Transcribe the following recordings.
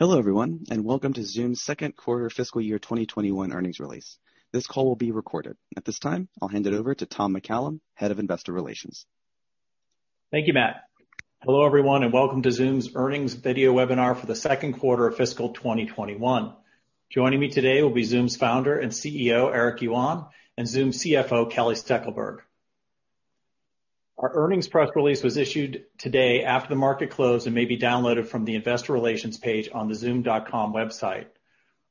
Hello, everyone, and welcome to Zoom's Second Quarter Fiscal Year 2021 Earnings Release. This call will be recorded. At this time, I'll hand it over to Tom McCallum, Head of Investor Relations. Thank you, Matt. Hello, everyone, and welcome to Zoom's earnings video webinar for the second quarter of fiscal 2021. Joining me today will be Zoom's founder and CEO, Eric Yuan, and Zoom CFO, Kelly Steckelberg. Our earnings press release was issued today after the market closed and may be downloaded from the investor relations page on the zoom.com website.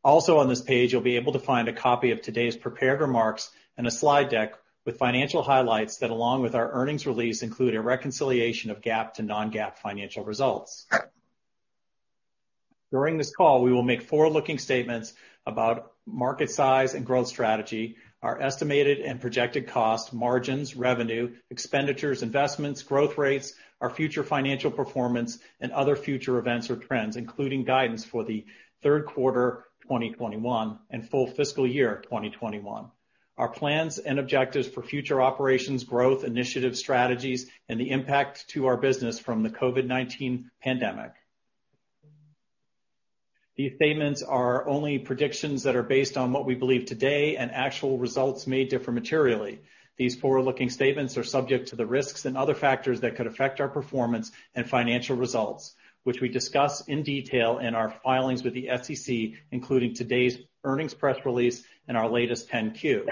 Also on this page, you'll be able to find a copy of today's prepared remarks and a slide deck with financial highlights that, along with our earnings release, include a reconciliation of GAAP to non-GAAP financial results. During this call, we will make forward-looking statements about market size and growth strategy, our estimated and projected cost, margins, revenue, expenditures, investments, growth rates, our future financial performance, and other future events or trends, including guidance for the third quarter 2021 and full fiscal year 2021. Our plans and objectives for future operations, growth initiatives, strategies, and the impact to our business from the COVID-19 pandemic. These statements are only predictions that are based on what we believe today, and actual results may differ materially. These forward-looking statements are subject to the risks and other factors that could affect our performance and financial results, which we discuss in detail in our filings with the SEC, including today's earnings press release and our latest 10-Q.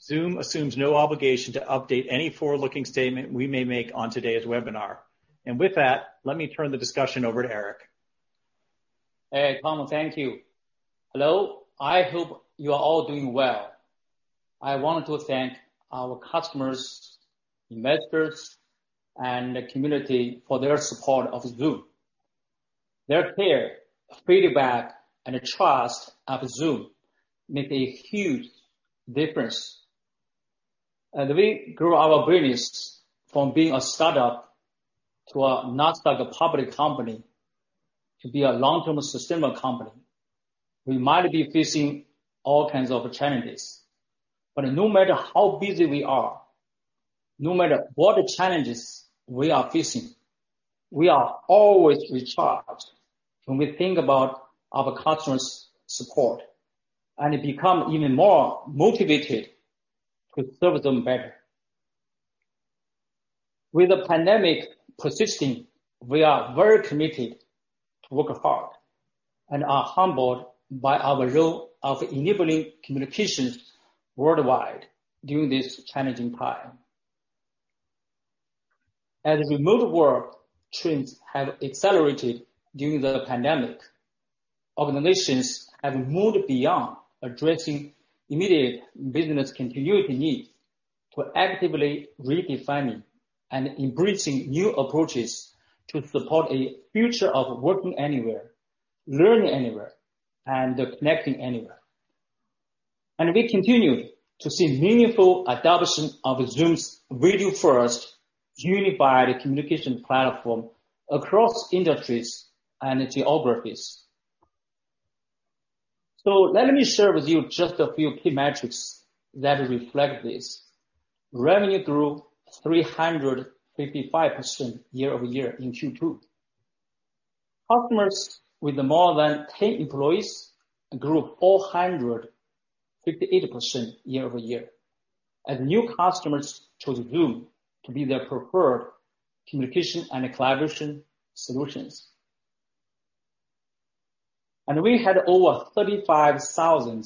Zoom assumes no obligation to update any forward-looking statement we may make on today's webinar. With that, let me turn the discussion over to Eric. Hey, Tom. Thank you. Hello. I hope you are all doing well. I want to thank our customers, investors, and the community for their support of Zoom. Their care, feedback, and trust of Zoom make a huge difference. We grew our business from being a startup to a Nasdaq public company to be a long-term sustainable company. We might be facing all kinds of challenges, but no matter how busy we are, no matter what challenges we are facing, we are always recharged when we think about our customers' support and become even more motivated to serve them better. With the pandemic persisting, we are very committed to work hard and are humbled by our role of enabling communications worldwide during this challenging time. As remote work trends have accelerated during the pandemic, organizations have moved beyond addressing immediate business continuity needs to actively redefining and embracing new approaches to support a future of working anywhere, learning anywhere, and connecting anywhere. We continue to see meaningful adoption of Zoom's video-first unified communication platform across industries and geographies. Let me share with you just a few key metrics that reflect this. Revenue grew 355% year-over-year in Q2. Customers with more than 10 employees grew 458% year-over-year as new customers chose Zoom to be their preferred communication and collaboration solutions. We had over 35,000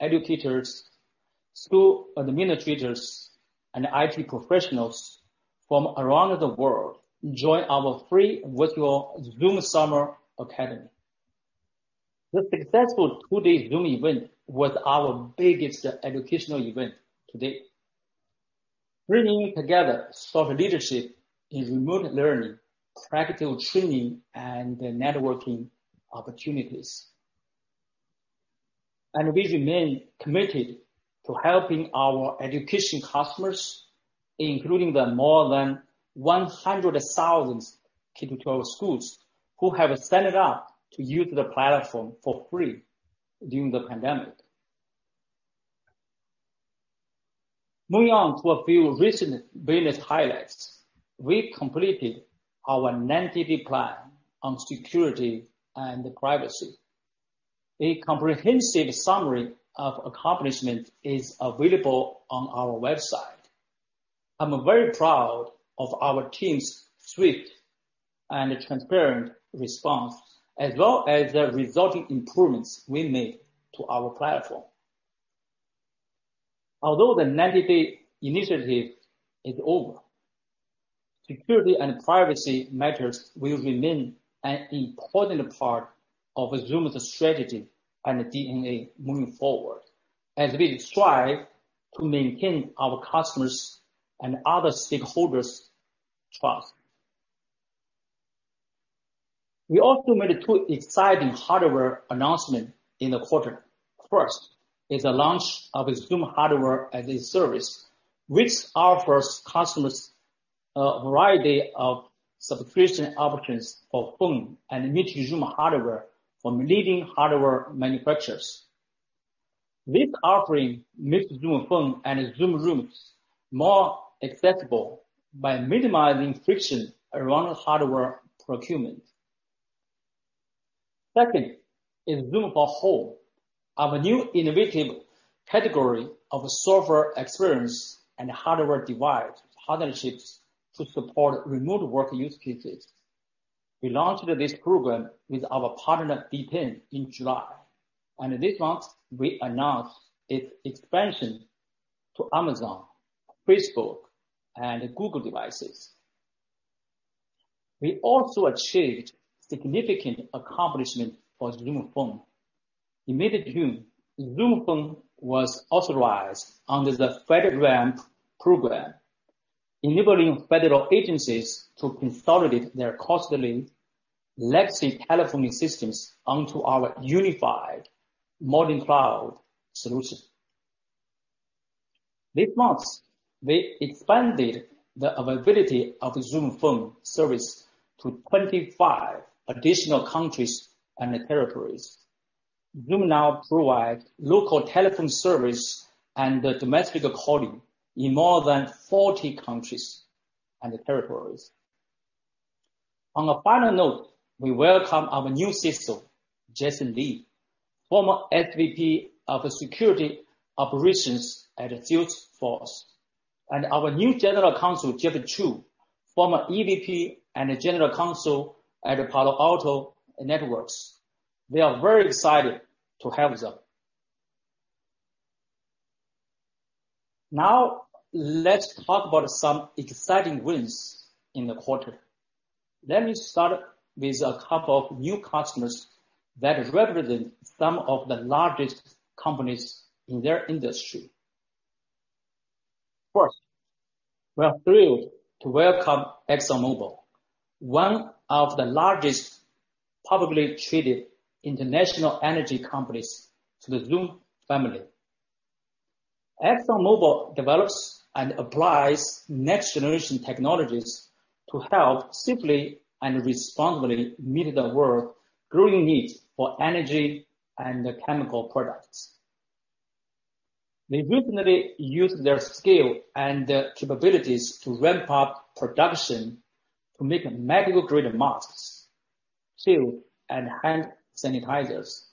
educators, school administrators, and IT professionals from around the world join our free virtual Zoom Summer Academy. The successful two-day Zoom event was our biggest educational event to date, bringing together thought leadership in remote learning, practical training, and networking opportunities. We remain committed to helping our education customers, including the more than 100,000 K-12 schools who have signed up to use the platform for free during the pandemic. Moving on to a few recent business highlights. We completed our 90-day plan on security and privacy. A comprehensive summary of accomplishments is available on our website. I'm very proud of our team's swift and transparent response, as well as the resulting improvements we made to our platform. Although the 90-day initiative is over, security and privacy matters will remain an important part of Zoom's strategy and DNA moving forward as we strive to maintain our customers' and other stakeholders' trust. We also made two exciting hardware announcements in the quarter. First is the launch of Zoom Hardware as a Service, which offers customers a variety of subscription options for phone and meet Zoom hardware from leading hardware manufacturers. This offering makes Zoom Phone and Zoom Rooms more accessible by minimizing friction around hardware procurement. Second is Zoom for Home. Our new innovative category of software experience and hardware device partnerships to support remote work use cases. We launched this program with our partner, DTEN, in July. This month, we announced its expansion to Amazon, Facebook, and Google devices. We also achieved significant accomplishment for Zoom Phone. In mid-June, Zoom Phone was authorized under the FedRAMP program, enabling federal agencies to consolidate their costly legacy telephoning systems onto our unified modern cloud solution. This month, we expanded the availability of Zoom Phone service to 25 additional countries and territories. Zoom now provides local telephone service and domestic calling in more than 40 countries and territories. On a final note, we welcome our new CISO, Jason Lee, former SVP of Security Operations at Salesforce, and our new General Counsel, Jeff True, former EVP and General Counsel at Palo Alto Networks. We are very excited to have them. Let's talk about some exciting wins in the quarter. Let me start with a couple of new customers that represent some of the largest companies in their industry. First, we're thrilled to welcome ExxonMobil, one of the largest publicly traded international energy companies, to the Zoom family. ExxonMobil develops and applies next generation technologies to help safely and responsibly meet the world's growing need for energy and chemical products. They recently used their scale and capabilities to ramp up production to make medical-grade masks, too, and hand sanitizers.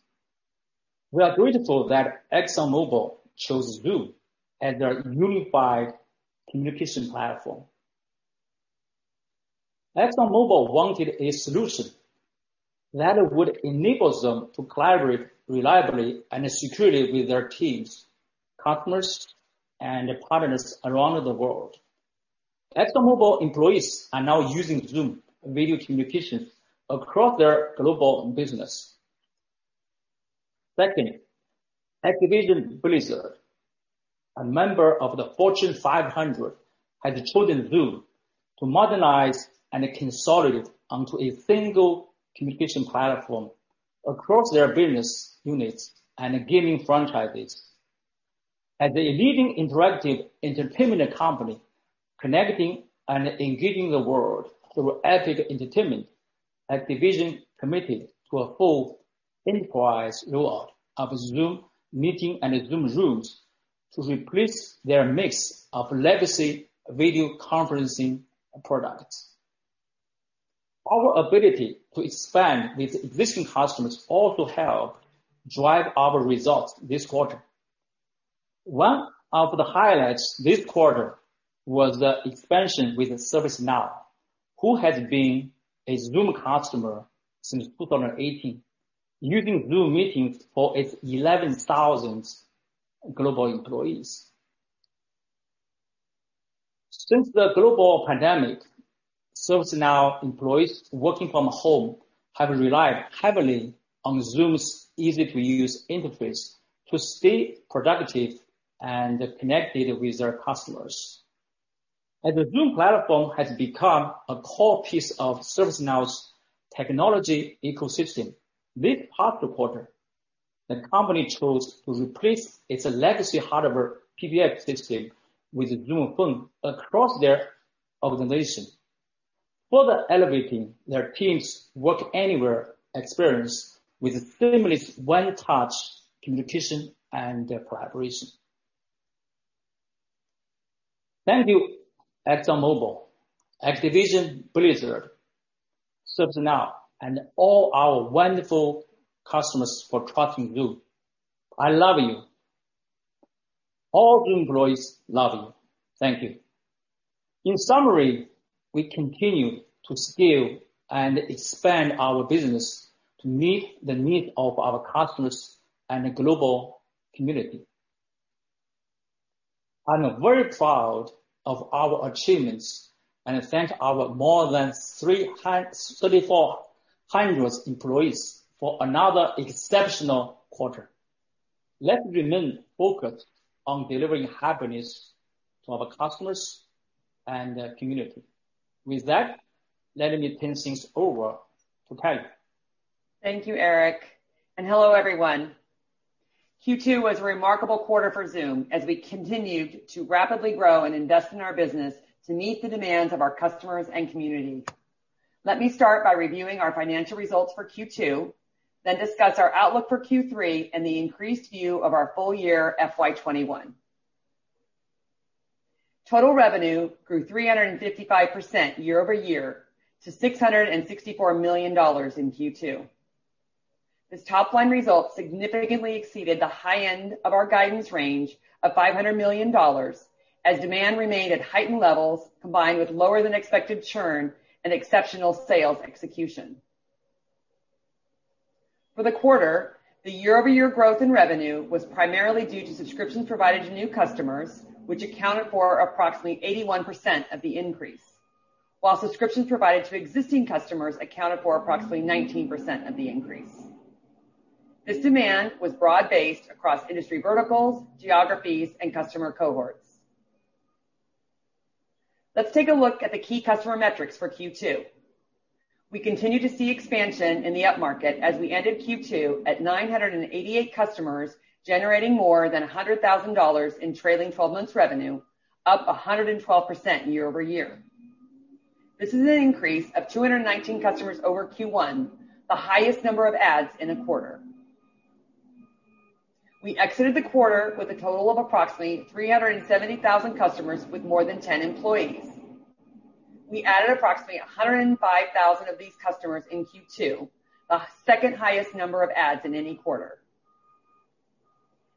We are grateful that ExxonMobil chose Zoom as their unified communication platform. ExxonMobil wanted a solution that would enable them to collaborate reliably and securely with their teams, customers, and partners around the world. ExxonMobil employees are now using Zoom video communication across their global business. Second, Activision Blizzard, a member of the Fortune 500, has chosen Zoom to modernize and consolidate onto a single communication platform across their business units and gaming franchises. As a leading interactive entertainment company connecting and engaging the world through epic entertainment, Activision committed to a full enterprise rollout of Zoom Meeting and Zoom Rooms to replace their mix of legacy video conferencing products. Our ability to expand with existing customers also helped drive our results this quarter. One of the highlights this quarter was the expansion with ServiceNow, who has been a Zoom customer since 2018, using Zoom Meetings for its 11,000 global employees. Since the global pandemic, ServiceNow employees working from home have relied heavily on Zoom's easy-to-use interface to stay productive and connected with their customers. As the Zoom platform has become a core piece of ServiceNow's technology ecosystem, this past quarter, the company chose to replace its legacy hardware PBX system with Zoom Phone across their organization, further elevating their teams' work anywhere experience with seamless one-touch communication and collaboration. Thank you, ExxonMobil, Activision Blizzard, ServiceNow, and all our wonderful customers for trusting Zoom. I love you. All employees love you. Thank you. In summary, we continue to scale and expand our business to meet the needs of our customers and global community. I'm very proud of our achievements and thank our more than 3,400 employees for another exceptional quarter. Let's remain focused on delivering happiness to our customers and the community. With that, let me turn things over to Kelly. Thank you, Eric, and hello, everyone. Q2 was a remarkable quarter for Zoom as we continued to rapidly grow and invest in our business to meet the demands of our customers and community. Let me start by reviewing our financial results for Q2, then discuss our outlook for Q3 and the increased view of our full year FY 2021. Total revenue grew 355% year-over-year to $664 million in Q2. This top-line result significantly exceeded the high end of our guidance range of $500 million as demand remained at heightened levels, combined with lower than expected churn and exceptional sales execution. For the quarter, the year-over-year growth in revenue was primarily due to subscriptions provided to new customers, which accounted for approximately 81% of the increase. While subscriptions provided to existing customers accounted for approximately 19% of the increase. This demand was broad-based across industry verticals, geographies, and customer cohorts. Let's take a look at the key customer metrics for Q2. We continue to see expansion in the upmarket as we ended Q2 at 988 customers, generating more than $100,000 in trailing 12 months revenue, up 112% year-over-year. This is an increase of 219 customers over Q1, the highest number of adds in a quarter. We exited the quarter with a total of approximately 370,000 customers with more than 10 employees. We added approximately 105,000 of these customers in Q2, the second highest number of adds in any quarter.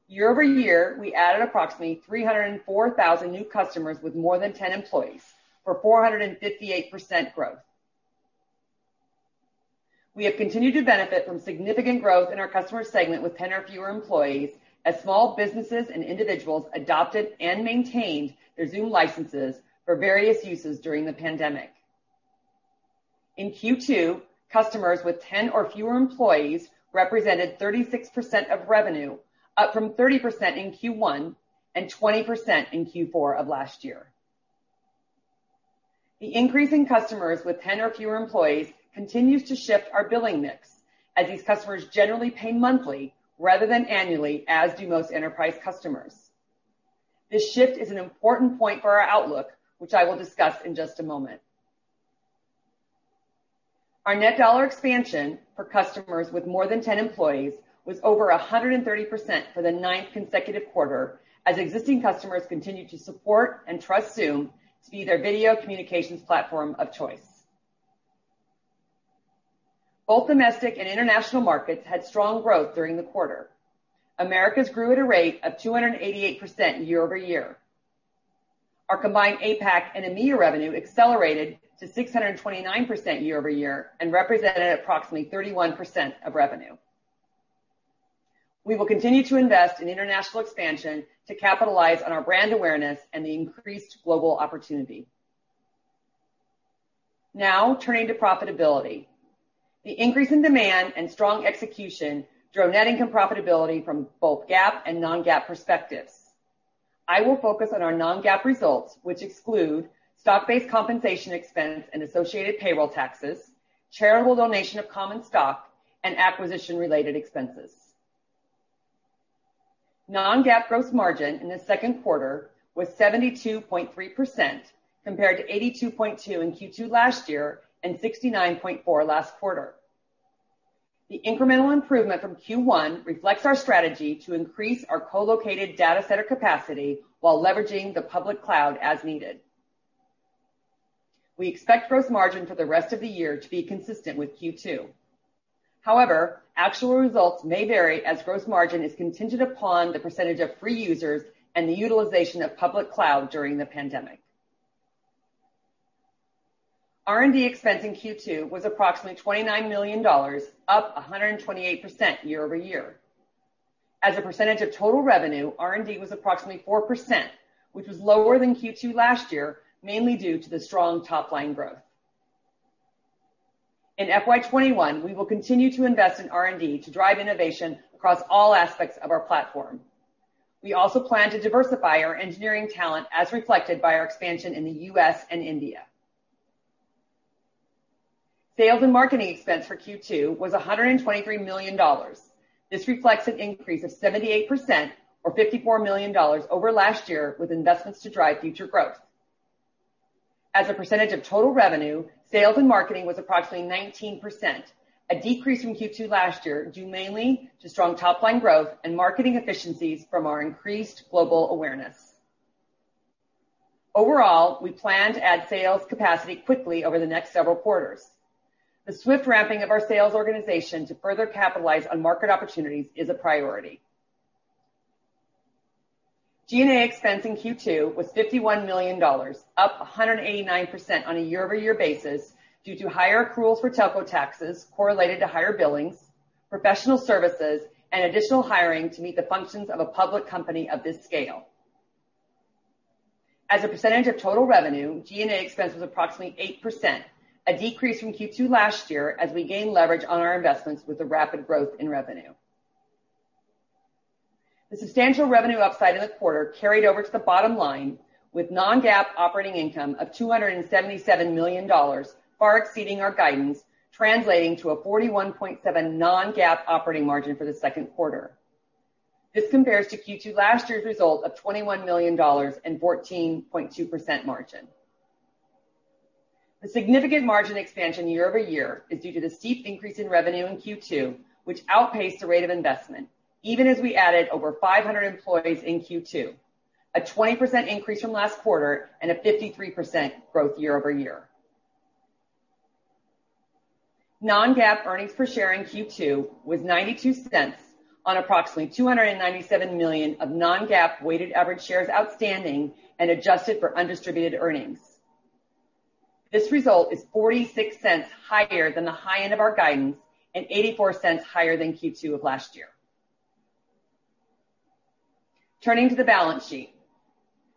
Year-over-year, we added approximately 304,000 new customers with more than 10 employees, for 458% growth. We have continued to benefit from significant growth in our customer segment with 10 or fewer employees, as small businesses and individuals adopted and maintained their Zoom licenses for various uses during the pandemic. In Q2, customers with 10 or fewer employees represented 36% of revenue, up from 30% in Q1 and 20% in Q4 of last year. The increase in customers with 10 or fewer employees continues to shift our billing mix, as these customers generally pay monthly rather than annually, as do most enterprise customers. This shift is an important point for our outlook, which I will discuss in just a moment. Our net dollar expansion for customers with more than 10 employees was over 130% for the ninth consecutive quarter, as existing customers continued to support and trust Zoom to be their video communications platform of choice. Both domestic and international markets had strong growth during the quarter. Americas grew at a rate of 288% year-over-year. Our combined APAC and EMEA revenue accelerated to 629% year-over-year and represented approximately 31% of revenue. We will continue to invest in international expansion to capitalize on our brand awareness and the increased global opportunity. Turning to profitability. The increase in demand and strong execution drove net income profitability from both GAAP and non-GAAP perspectives. I will focus on our non-GAAP results, which exclude stock-based compensation expense and associated payroll taxes, charitable donation of common stock, and acquisition-related expenses. Non-GAAP gross margin in the second quarter was 72.3%, compared to 82.2% in Q2 last year and 69.4% last quarter. The incremental improvement from Q1 reflects our strategy to increase our co-located data center capacity while leveraging the public cloud as needed. We expect gross margin for the rest of the year to be consistent with Q2. However, actual results may vary as gross margin is contingent upon the percentage of free users and the utilization of public cloud during the pandemic. R&D expense in Q2 was approximately $29 million, up 128% year-over-year. As a percentage of total revenue, R&D was approximately 4%, which was lower than Q2 last year, mainly due to the strong top-line growth. In FY 2021, we will continue to invest in R&D to drive innovation across all aspects of our platform. We also plan to diversify our engineering talent, as reflected by our expansion in the U.S. and India. Sales and marketing expense for Q2 was $123 million. This reflects an increase of 78%, or $54 million over last year, with investments to drive future growth. As a percentage of total revenue, sales and marketing was approximately 19%, a decrease from Q2 last year, due mainly to strong top-line growth and marketing efficiencies from our increased global awareness. Overall, we plan to add sales capacity quickly over the next several quarters. The swift ramping of our sales organization to further capitalize on market opportunities is a priority. G&A expense in Q2 was $51 million, up 189% on a year-over-year basis due to higher accruals for telco taxes correlated to higher billings, professional services, and additional hiring to meet the functions of a public company of this scale. As a percentage of total revenue, G&A expense was approximately 8%, a decrease from Q2 last year as we gained leverage on our investments with the rapid growth in revenue. The substantial revenue upside in the quarter carried over to the bottom line with non-GAAP operating income of $277 million, far exceeding our guidance, translating to a 41.7% non-GAAP operating margin for the second quarter. This compares to Q2 last year's result of $21 million and 14.2% margin. The significant margin expansion year-over-year is due to the steep increase in revenue in Q2, which outpaced the rate of investment, even as we added over 500 employees in Q2, a 20% increase from last quarter and a 53% growth year-over-year. Non-GAAP earnings per share in Q2 was $0.92 on approximately 297 million of non-GAAP weighted average shares outstanding and adjusted for undistributed earnings. This result is $0.46 higher than the high end of our guidance and $0.84 higher than Q2 of last year. Turning to the balance sheet.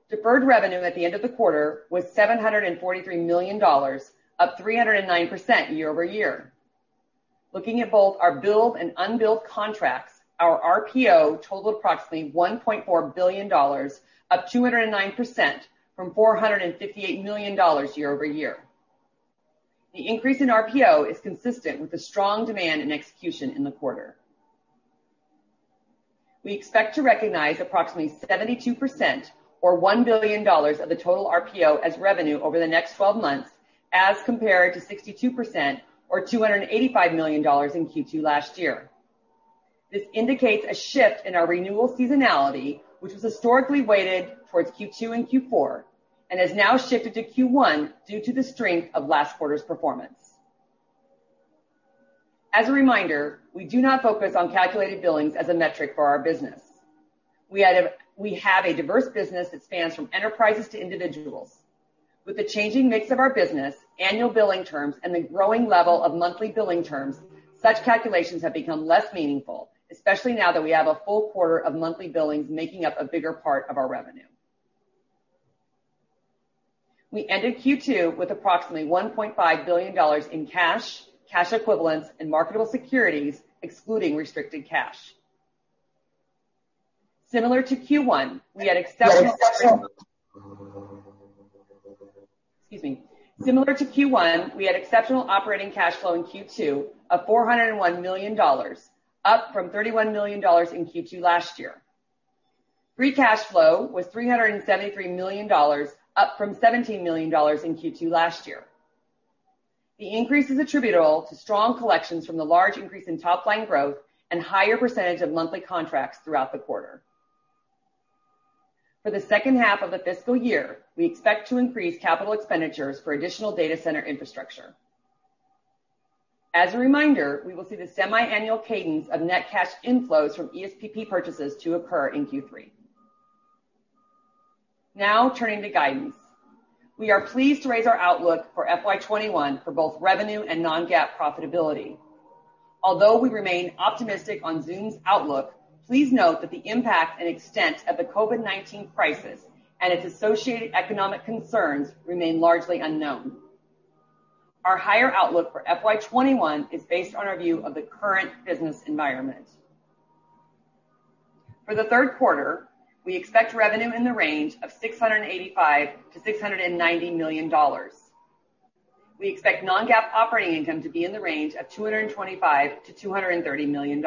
Deferred revenue at the end of the quarter was $743 million, up 309% year-over-year. Looking at both our billed and unbilled contracts, our RPO totaled approximately $1.4 billion, up 209% from $458 million year-over-year. The increase in RPO is consistent with the strong demand and execution in the quarter. We expect to recognize approximately 72% or $1 billion of the total RPO as revenue over the next 12 months as compared to 62%, or $285 million in Q2 last year. This indicates a shift in our renewal seasonality, which was historically weighted towards Q2 and Q4, and has now shifted to Q1 due to the strength of last quarter's performance. As a reminder, we do not focus on calculated billings as a metric for our business. We have a diverse business that spans from enterprises to individuals. With the changing mix of our business, annual billing terms, and the growing level of monthly billing terms, such calculations have become less meaningful, especially now that we have a full quarter of monthly billings making up a bigger part of our revenue. We ended Q2 with approximately $1.5 billion in cash, cash equivalents, and marketable securities, excluding restricted cash. Similar to Q1, we had exceptional operating cash flow in Q2 of $401 million, up from $31 million in Q2 last year. Free cash flow was $373 million, up from $17 million in Q2 last year. The increase is attributable to strong collections from the large increase in top-line growth and higher percentage of monthly contracts throughout the quarter. For the second half of the fiscal year, we expect to increase capital expenditures for additional data center infrastructure. As a reminder, we will see the semi-annual cadence of net cash inflows from ESPP purchases to occur in Q3. Turning to guidance. We are pleased to raise our outlook for FY21 for both revenue and non-GAAP profitability. Although we remain optimistic on Zoom's outlook, please note that the impact and extent of the COVID-19 crisis and its associated economic concerns remain largely unknown. Our higher outlook for FY21 is based on our view of the current business environment. For the third quarter, we expect revenue in the range of $685 million-$690 million. We expect non-GAAP operating income to be in the range of $225 million-$230 million.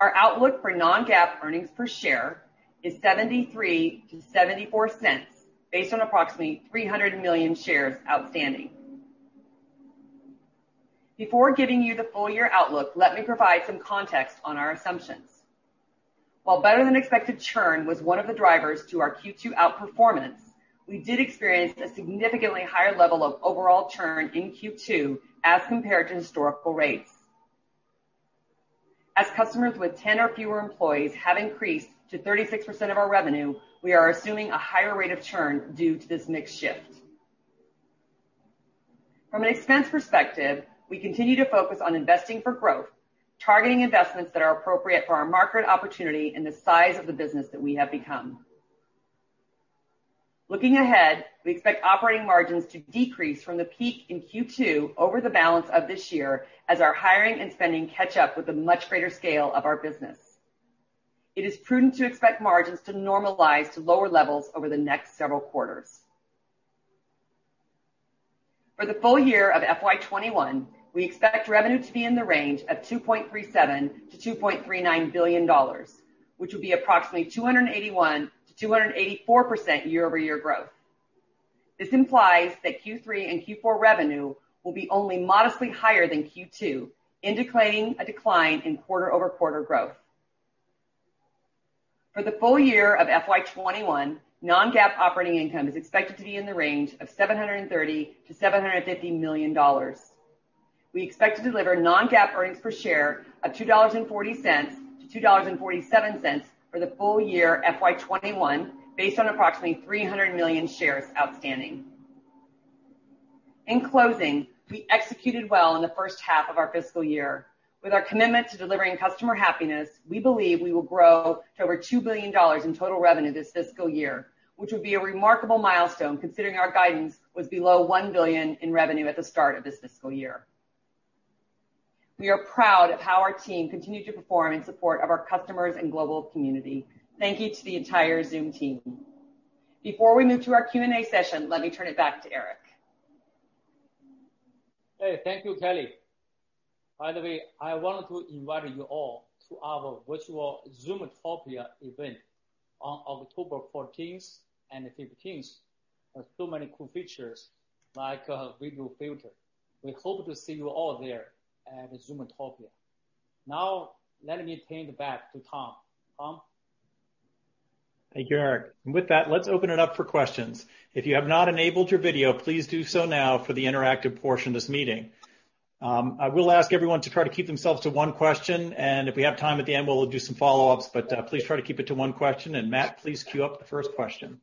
Our outlook for non-GAAP earnings per share is $0.73-$0.74, based on approximately 300 million shares outstanding. Before giving you the full-year outlook, let me provide some context on our assumptions. While better-than-expected churn was one of the drivers to our Q2 outperformance, we did experience a significantly higher level of overall churn in Q2 as compared to historical rates. As customers with 10 or fewer employees have increased to 36% of our revenue, we are assuming a higher rate of churn due to this mix shift. From an expense perspective, we continue to focus on investing for growth, targeting investments that are appropriate for our market opportunity and the size of the business that we have become. Looking ahead, we expect operating margins to decrease from the peak in Q2 over the balance of this year as our hiring and spending catch up with the much greater scale of our business. It is prudent to expect margins to normalize to lower levels over the next several quarters. For the full year of FY 2021, we expect revenue to be in the range of $2.37 billion-$2.39 billion, which will be approximately 281%-284% year-over-year growth. This implies that Q3 and Q4 revenue will be only modestly higher than Q2, indicating a decline in quarter-over-quarter growth. For the full year of FY 2021, non-GAAP operating income is expected to be in the range of $730 million-$750 million. We expect to deliver non-GAAP earnings per share of $2.40-$2.47 for the full year FY 2021, based on approximately 300 million shares outstanding. In closing, we executed well in the first half of our fiscal year. With our commitment to delivering customer happiness, we believe we will grow to over $2 billion in total revenue this fiscal year, which would be a remarkable milestone considering our guidance was below $1 billion in revenue at the start of this fiscal year. We are proud of how our team continued to perform in support of our customers and global community. Thank you to the entire Zoom team. Before we move to our Q&A session, let me turn it back to Eric. Hey, thank you, Kelly. By the way, I want to invite you all to our virtual Zoomtopia event on October 14th and 15th. There are so many cool features, like a video filter. We hope to see you all there at Zoomtopia. Let me hand it back to Tom. Tom? Thank you, Eric. With that, let's open it up for questions. If you have not enabled your video, please do so now for the interactive portion of this meeting. I will ask everyone to try to keep themselves to one question, and if we have time at the end, we'll do some follow-ups, but please try to keep it to one question. Matt, please queue up the first question.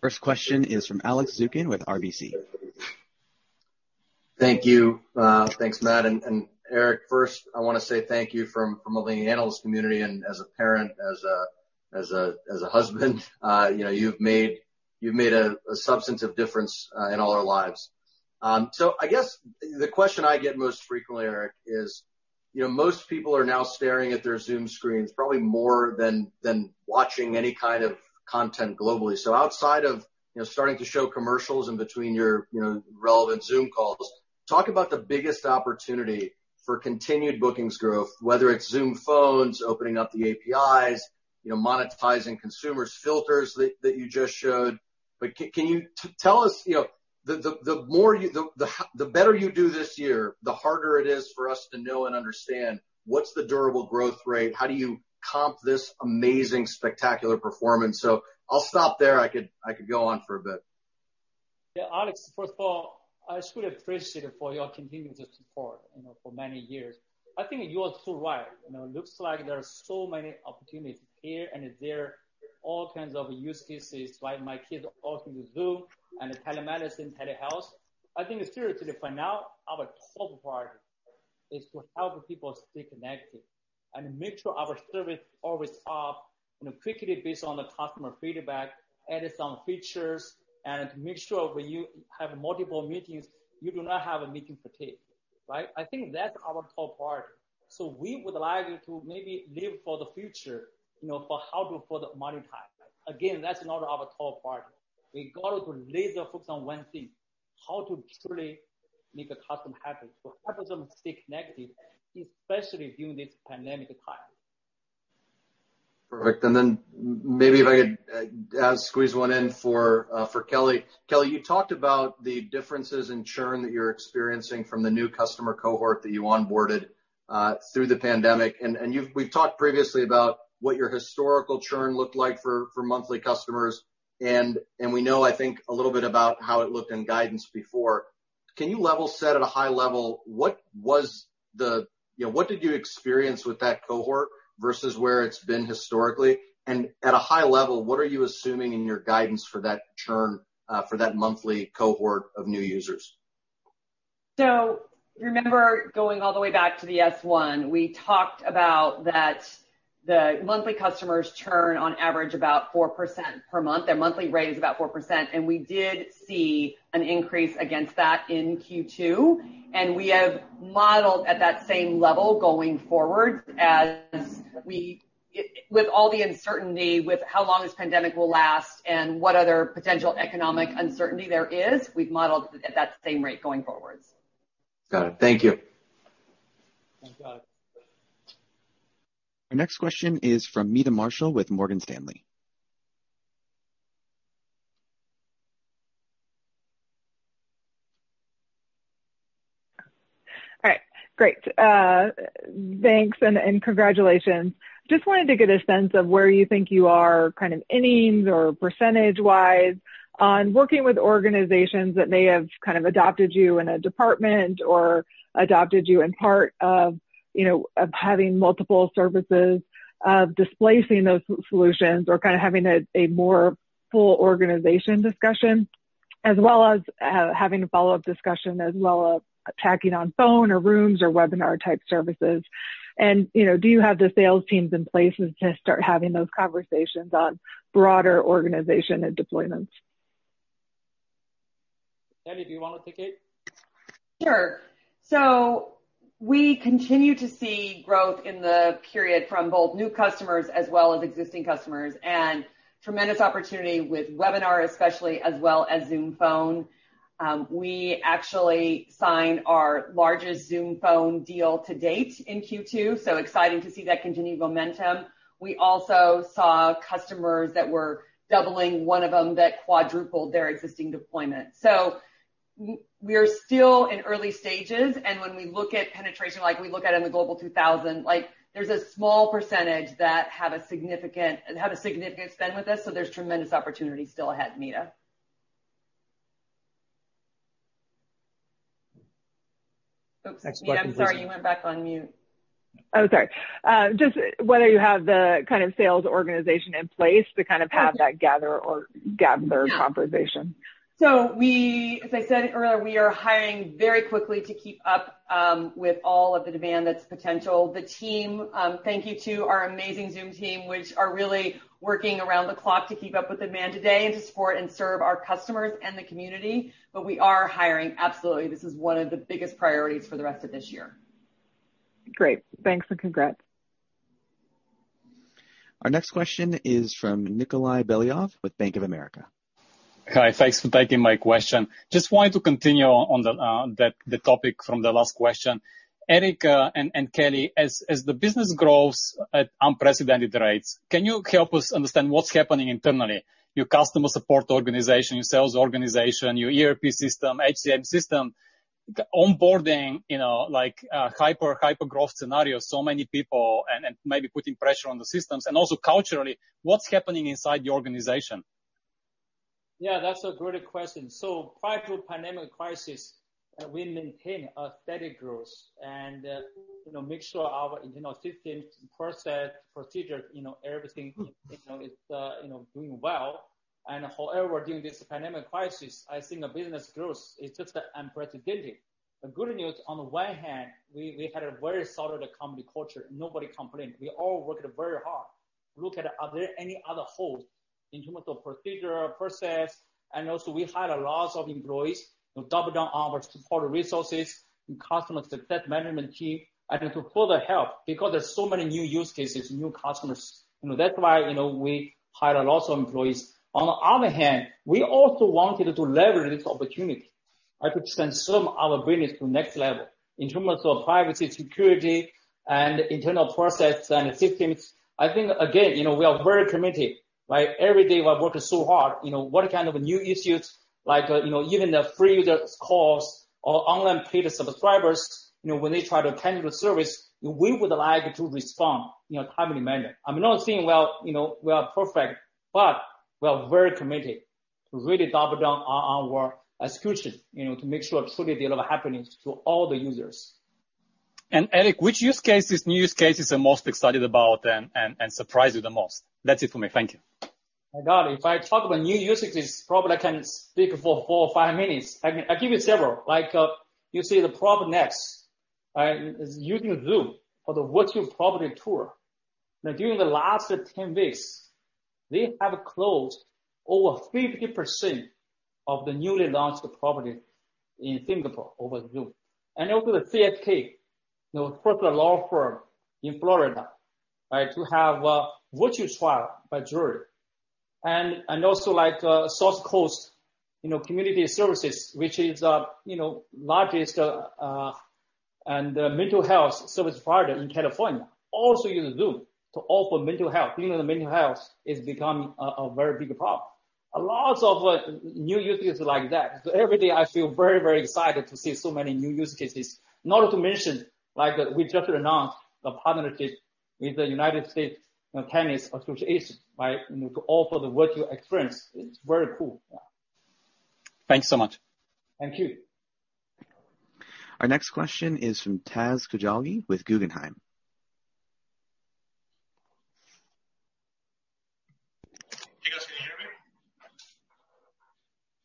First question is from Alex Zukin with RBC. Thank you. Thanks, Matt. Eric, first, I want to say thank you from all the analysts community, and as a parent, as a husband you've made a substantive difference in all our lives. I guess the question I get most frequently, Eric, is most people are now staring at their Zoom screens probably more than watching any kind of content globally. Outside of starting to show commercials in between your relevant Zoom calls, talk about the biggest opportunity for continued bookings growth, whether it's Zoom Phone, opening up the APIs, monetizing consumers' filters that you just showed. Can you tell us, the better you do this year, the harder it is for us to know and understand what's the durable growth rate? How do you comp this amazing, spectacular performance? I'll stop there. I could go on for a bit. Yeah. Alex, first of all, I truly appreciate it for your continuous support for many years. I think you are so right. It looks like there are so many opportunities here and there, all kinds of use cases. My kids also use Zoom, and telemedicine, telehealth. I think spiritually for now, our top priority is to help people stay connected and make sure our service is always up, quickly based on the customer feedback, adding some features, and make sure when you have multiple meetings, you do not have a meeting fatigue, right? I think that's our top priority. We would like to maybe live for the future, for how to further monetize. Again, that's not our top priority. We got to laser focus on one thing, how to truly make the customer happy. To help them stay connected, especially during this pandemic time. Perfect. Maybe if I could squeeze one in for Kelly. Kelly, you talked about the differences in churn that you're experiencing from the new customer cohort that you onboarded through the pandemic. We've talked previously about what your historical churn looked like for monthly customers, and we know, I think, a little bit about how it looked in guidance before. Can you level set at a high level, what did you experience with that cohort versus where it's been historically? At a high level, what are you assuming in your guidance for that churn for that monthly cohort of new users? Remember going all the way back to the S-1, we talked about that the monthly customers churn on average about 4% per month. Their monthly rate is about 4%, and we did see an increase against that in Q2. We have modeled at that same level going forward, with all the uncertainty with how long this pandemic will last and what other potential economic uncertainty there is, we've modeled at that same rate going forward. Got it. Thank you. Thanks, Alex. Our next question is from Meta Marshall with Morgan Stanley. All right. Great. Thanks, and congratulations. Just wanted to get a sense of where you think you are innings or percentage-wise on working with organizations that may have kind of adopted you in a department or adopted you in part of having multiple services, of displacing those solutions or kind of having a more full organization discussion, as well as having a follow-up discussion as well as tacking on phone or rooms or webinar-type services. Do you have the sales teams in place to start having those conversations on broader organization and deployments? Kelly, do you want to take it? Sure. We continue to see growth in the period from both new customers as well as existing customers, and tremendous opportunity with webinars especially as well as Zoom Phone. We actually signed our largest Zoom Phone deal to date in Q2, excited to see that continued momentum. We also saw customers that were doubling, one of them that quadrupled their existing deployment. We're still in early stages, and when we look at penetration like we look at in the Global 2000, there's a small percentage that have a significant spend with us, there's tremendous opportunity still ahead, Meta. Oops, Meta, I'm sorry, you went back on mute. Oh, sorry. Just whether you have the kind of sales organization in place to kind of have that gather conversation. As I said earlier, we are hiring very quickly to keep up with all of the demand that's potential. Thank you to our amazing Zoom team, which are really working around the clock to keep up with demand today and to support and serve our customers and the community. We are hiring, absolutely. This is one of the biggest priorities for the rest of this year. Great. Thanks, and congrats. Our next question is from Nikolay Beliov with Bank of America. Hi. Thanks for taking my question. Just wanted to continue on the topic from the last question. Eric, and Kelly, as the business grows at unprecedented rates, can you help us understand what's happening internally? Your customer support organization, your sales organization, your ERP system, HCM system. Onboarding, like hyper growth scenario, so many people and maybe putting pressure on the systems, and also culturally, what's happening inside the organization? Yeah, that's a great question. Prior to pandemic crisis, we maintain a steady growth and make sure our internal systems, process, procedure, everything is doing well. However, during this pandemic crisis, I think the business growth is just unprecedented. The good news, on the one hand, we had a very solid company culture. Nobody complained. We all worked very hard. Look at, are there any other holes in terms of procedure, process? Also, we hired a lot of employees to double down on our support resources and customer success management team and to further help because there's so many new use cases, new customers. That's why we hired a lot of employees. On the other hand, we also wanted to leverage this opportunity to transform our business to next level in terms of privacy, security, and internal process and systems. I think, again, we are very committed. Every day we are working so hard. What kind of new issues, like even the free users calls or online paid subscribers when they try to attend the service, we would like to respond in a timely manner. I'm not saying we are perfect, but we are very committed to really double down on our execution to make sure a good deal of happiness to all the users. Eric, which new use cases are you most excited about and surprise you the most? That's it for me. Thank you. My God, if I talk about new use cases, probably I can speak for four or five minutes. I give you several. Like, you see the PropNex is using Zoom for the virtual property tour. During the last 10 days, they have closed over 50% of the newly launched property in Singapore over Zoom. Also the CK, corporate law firm in Florida to have a virtual trial by jury. Also South Coast Community Services, which is largest mental health service provider in California, also uses Zoom to offer mental health, mental health is becoming a very big problem. A lot of new use cases like that. Every day I feel very excited to see so many new use cases. Not to mention, we just announced a partnership with the United States Tennis Association to offer the virtual experience. It's very cool. Thanks so much. Thank you. Our next question is from Taz Koujalgi with Guggenheim. Can you guys hear me?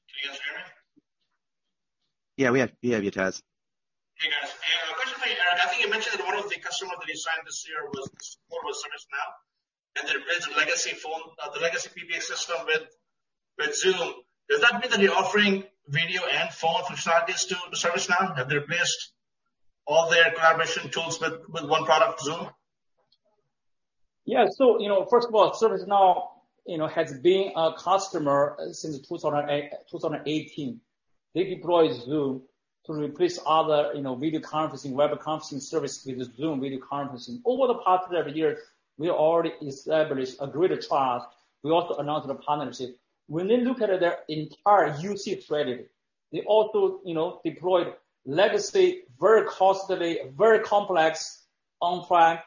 Can you guys hear me? Yeah, we have you, Taz. Hey, guys. A question for you, Eric. I think you mentioned that one of the customers that you signed this year was ServiceNow, and they bridge the legacy PBX system with Zoom. Does that mean that you're offering video and phone functionalities to ServiceNow? Have they replaced all their collaboration tools with one product, Zoom? Yeah. First of all, ServiceNow has been a customer since 2018. They deployed Zoom to replace other video conferencing, web conferencing service with Zoom video conferencing. Over the past several years, we already established a great trust. We also announced a partnership. When they look at their entire UC strategy, they also deployed legacy, very costly, very complex on-prem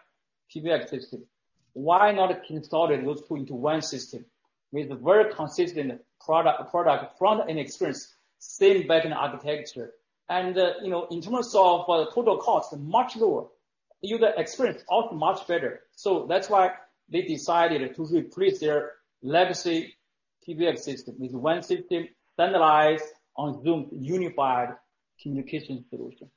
PBX system. Why not consolidate those two into one system with very consistent product front-end experience, same back-end architecture? In terms of the total cost, much lower. User experience, also much better. That's why they decided to replace their legacy PBX system with one system standardized on Zoom unified communications solution.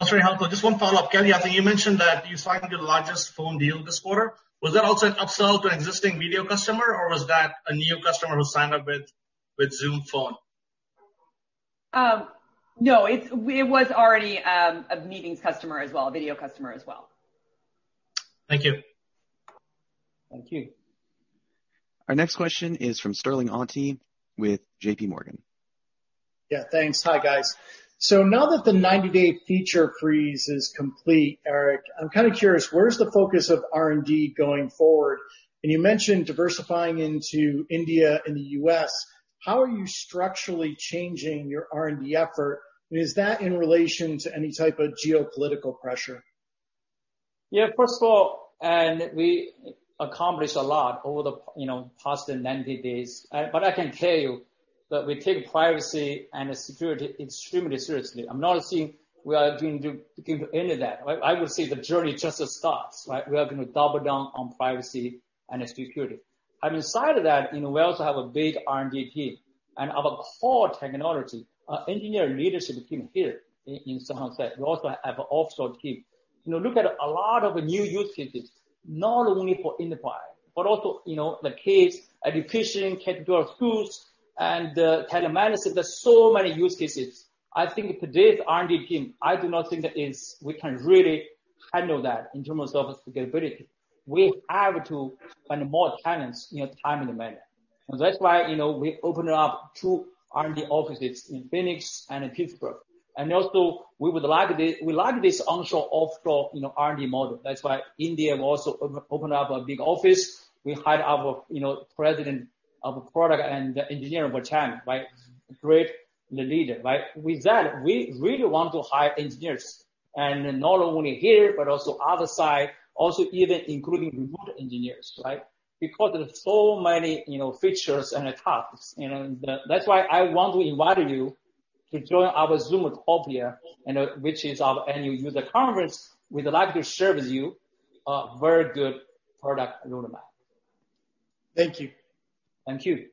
That's very helpful. Just one follow-up. Kelly, I think you mentioned that you signed your largest phone deal this quarter. Was that also an upsell to an existing video customer, or was that a new customer who signed up with Zoom Phone? No, it was already a meetings customer as well, a video customer as well. Thank you. Thank you. Our next question is from Sterling Auty with JPMorgan. Yeah, thanks. Hi, guys. Now that the 90-day feature freeze is complete, Eric, I'm kind of curious, where's the focus of R&D going forward? You mentioned diversifying into India and the U.S. How are you structurally changing your R&D effort? Is that in relation to any type of geopolitical pressure? Yeah, first of all, we accomplished a lot over the past 90 days. I can tell you that we take privacy and security extremely seriously. I'm not saying we are going to give end to that. I would say the journey just starts, right? We are going to double down on privacy and security. Inside of that, we also have a big R&D team and about four technology engineer leadership team here in San Jose. We also have an offshore team. Look at a lot of new use cases, not only for enterprise, but also the kids, education, K-12 schools, and telemedicine. There's so many use cases. I think today's R&D team, I do not think that we can really handle that in terms of scalability. We have to find more talents in a timely manner. That's why we opened up two R&D offices in Phoenix and in Pittsburgh. Also, we like this onshore, offshore R&D model. That's why India also opened up a big office. We hired our president of product and engineering, Bhushan. Great leader. With that, we really want to hire engineers, and not only here, but also other side, also even including remote engineers, right? Because there's so many features and tasks. That's why I want to invite you to join our Zoomtopia, which is our annual user conference. We'd like to share with you a very good product roadmap. Thank you. Thank you.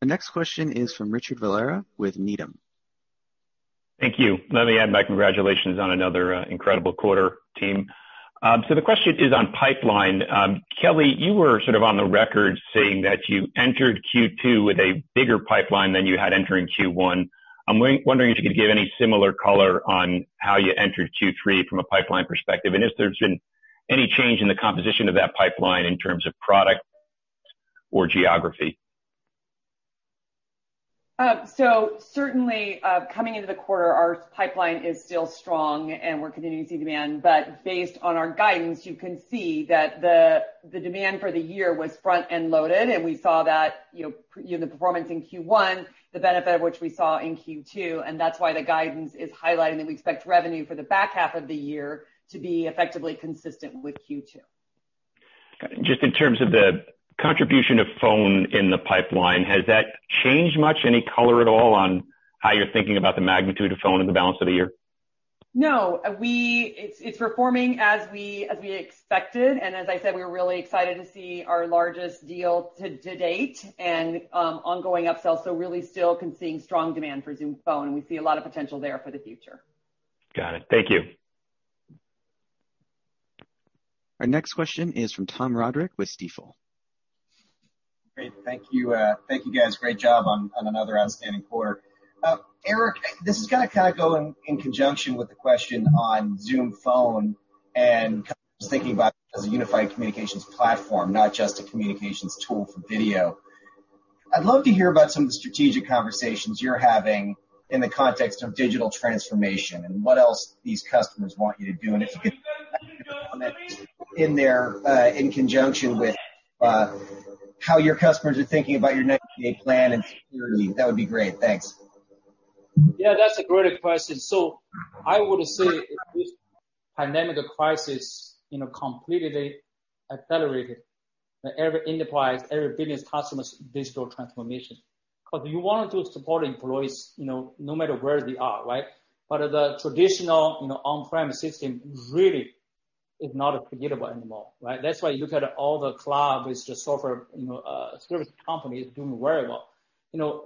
The next question is from Richard Valera with Needham. Thank you. Let me add my congratulations on another incredible quarter, team. The question is on pipeline. Kelly, you were sort of on the record saying that you entered Q2 with a bigger pipeline than you had entering Q1. I'm wondering if you could give any similar color on how you entered Q3 from a pipeline perspective, and if there's been any change in the composition of that pipeline in terms of product or geography. Certainly, coming into the quarter, our pipeline is still strong and we're continuing to see demand. Based on our guidance, you can see that the demand for the year was front-end loaded, and we saw that in the performance in Q1, the benefit of which we saw in Q2, and that's why the guidance is highlighting that we expect revenue for the back half of the year to be effectively consistent with Q2. Got it. Just in terms of the contribution of Phone in the pipeline, has that changed much? Any color at all on how you're thinking about the magnitude of Phone in the balance of the year? No. It's performing as we expected, and as I said, we're really excited to see our largest deal to date and ongoing upsells. Really still can seeing strong demand for Zoom Phone, and we see a lot of potential there for the future. Got it. Thank you. Our next question is from Tom Roderick with Stifel. Great. Thank you. Thank you, guys. Great job on another outstanding quarter. Eric, this is going to kind of go in conjunction with the question on Zoom Phone and kind of just thinking about it as a unified communications platform, not just a communications tool for video. I'd love to hear about some of the strategic conversations you're having in the context of digital transformation and what else these customers want you to do. If you could comment in there, in conjunction with how your customers are thinking about your next E2E plan and security, that would be great. Thanks. Yeah, that's a great question. I would say this pandemic crisis completely accelerated every enterprise, every business customer's digital transformation. You want to support employees no matter where they are, right? The traditional on-premise system really is not applicable anymore, right? That's why you look at all the cloud-based software service companies doing very well.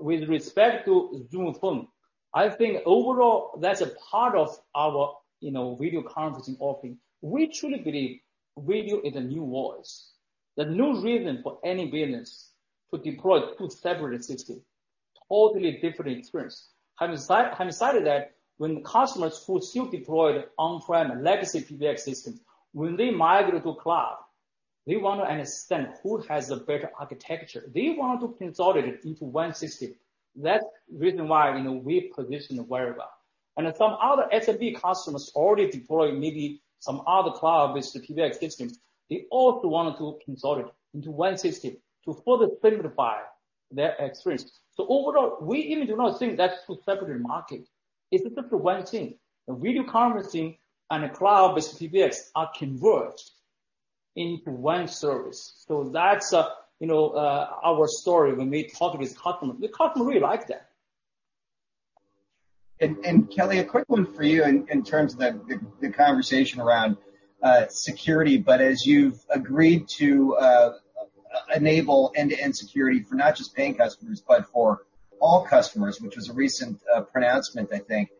With respect to Zoom Phone, I think overall, that's a part of our video conferencing offering. We truly believe video is the new voice. There's no reason for any business to deploy two separate systems, totally different experience. Having said that, when customers who still deployed on-prem legacy PBX systems, when they migrate to cloud, they want to understand who has a better architecture. They want to consolidate into one system. That's the reason why we position very well. Some other SMB customers already deploying maybe some other cloud-based PBX systems, they also wanted to consolidate into one system to further simplify their experience. Overall, we even do not think that's two separate markets. It's just one thing. The video conferencing and cloud-based PBX are converged into one service. That's our story when we talk with customers. The customers really like that. Kelly, a quick one for you in terms of the conversation around security. As you've agreed to enable end-to-end security for not just paying customers, but for all customers, which was a recent pronouncement, I think.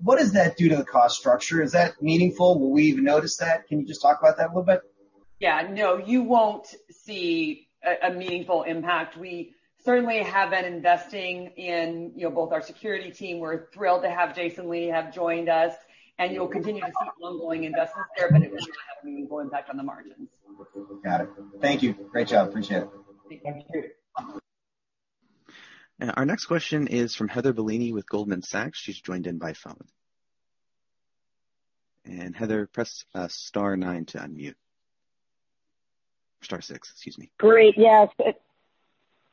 What does that do to the cost structure? Is that meaningful? Will we even notice that? Can you just talk about that a little bit? Yeah, no, you won't see a meaningful impact. We certainly have been investing in both our security team. We're thrilled to have Jason Lee have joined us, and you'll continue to see ongoing investments there, but it will not have a meaningful impact on the margins. Got it. Thank you. Great job. Appreciate it. Thank you. Our next question is from Heather Bellini with Goldman Sachs. She's joined in by phone. Heather, press Star nine to unmute. Star six, excuse me. Great. Yes.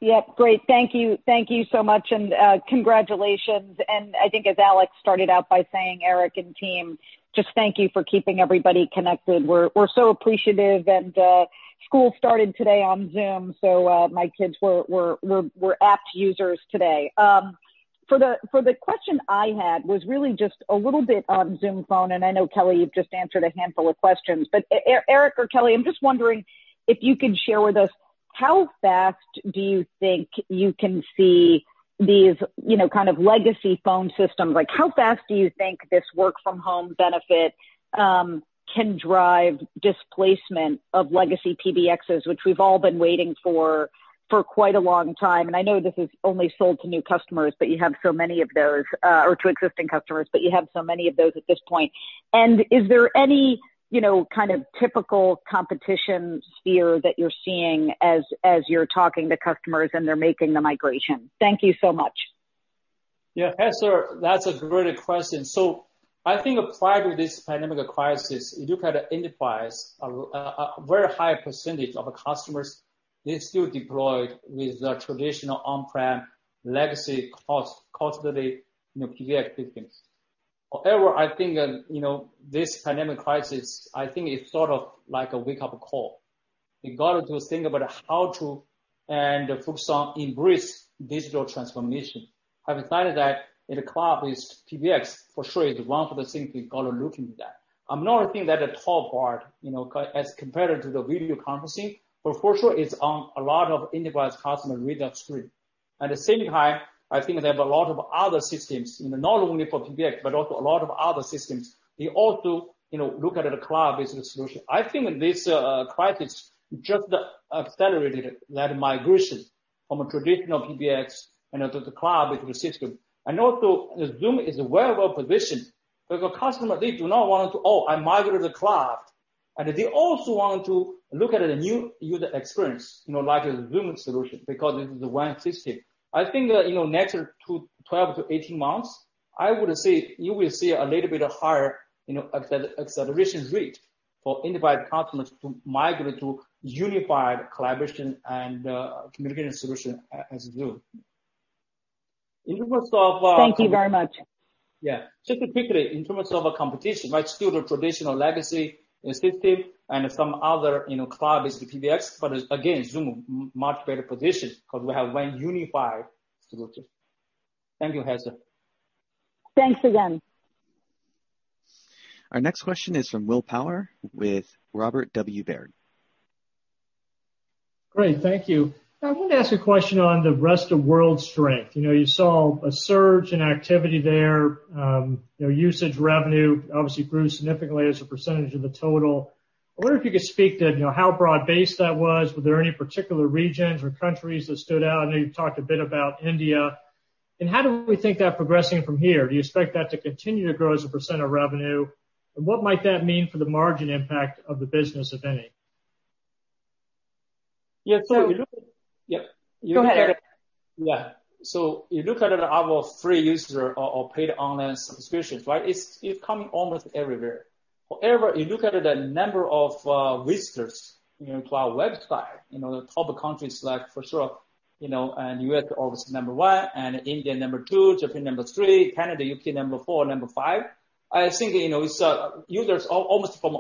Yep, great. Thank you. Thank you so much, and congratulations. I think as Alex started out by saying, Eric and team, just thank you for keeping everybody connected. We're so appreciative, and school started today on Zoom, so my kids were apt users today. For the question I had was really just a little bit on Zoom Phone, and I know Kelly, you've just answered a handful of questions. Eric or Kelly, I'm just wondering if you could share with us how fast do you think you can see these kind of legacy phone systems? How fast do you think this work from home benefit can drive displacement of legacy PBXs, which we've all been waiting for quite a long time? I know this is only sold to new customers, but you have so many of those, or to existing customers, but you have so many of those at this point. Is there any kind of typical competition sphere that you're seeing as you're talking to customers and they're making the migration? Thank you so much. Yeah, Heather, that's a great question. I think prior to this pandemic crisis, if you kind of enterprise a very high percentage of customers, they still deployed with the traditional on-prem legacy costly PBX business. I think this pandemic crisis, it's sort of like a wake-up call. We got to think about how to and focus on embrace digital transformation. Having said that, in the cloud, PBX for sure is one of the things we got to look into that. I'm not saying that it's hard as compared to the video conferencing, for sure it's on a lot of enterprise customer readout screen. At the same time, I think there's a lot of other systems, not only for PBX but also a lot of other systems. They also look at the cloud business solution. I think this crisis just accelerated that migration from a traditional PBX to the cloud-based system. Also, Zoom is very well positioned, because customers, they do not want to, oh, I migrate to the cloud, and they also want to look at the new user experience, like a Zoom solution, because it is one system. I think next 12-18 months, I would say you will see a little bit higher acceleration rate for enterprise customers to migrate to unified collaboration and communication solution as Zoom. Thank you very much. Just quickly, in terms of competition, still the traditional legacy systems and some other cloud-based PBX. Again, Zoom, much better positioned because we have one unified solution. Thank you, Heather. Thanks again. Our next question is from Will Power with Robert W. Baird. Great. Thank you. I want to ask a question on the rest-of-world strength. You saw a surge in activity there. Usage revenue obviously grew significantly as a percentage of the total. I wonder if you could speak to how broad-based that was. Were there any particular regions or countries that stood out? I know you've talked a bit about India. How do we think that progressing from here? Do you expect that to continue to grow as a percent of revenue? What might that mean for the margin impact of the business, if any? Yeah. Go ahead. Yeah. You look at our free user or paid online subscriptions, it's coming almost everywhere. However, you look at the number of visitors to our website, the top countries like, for sure, U.S. obviously number 1, India number 2, Japan number 3, Canada, U.K. number 4 and number 5. I think it's users almost from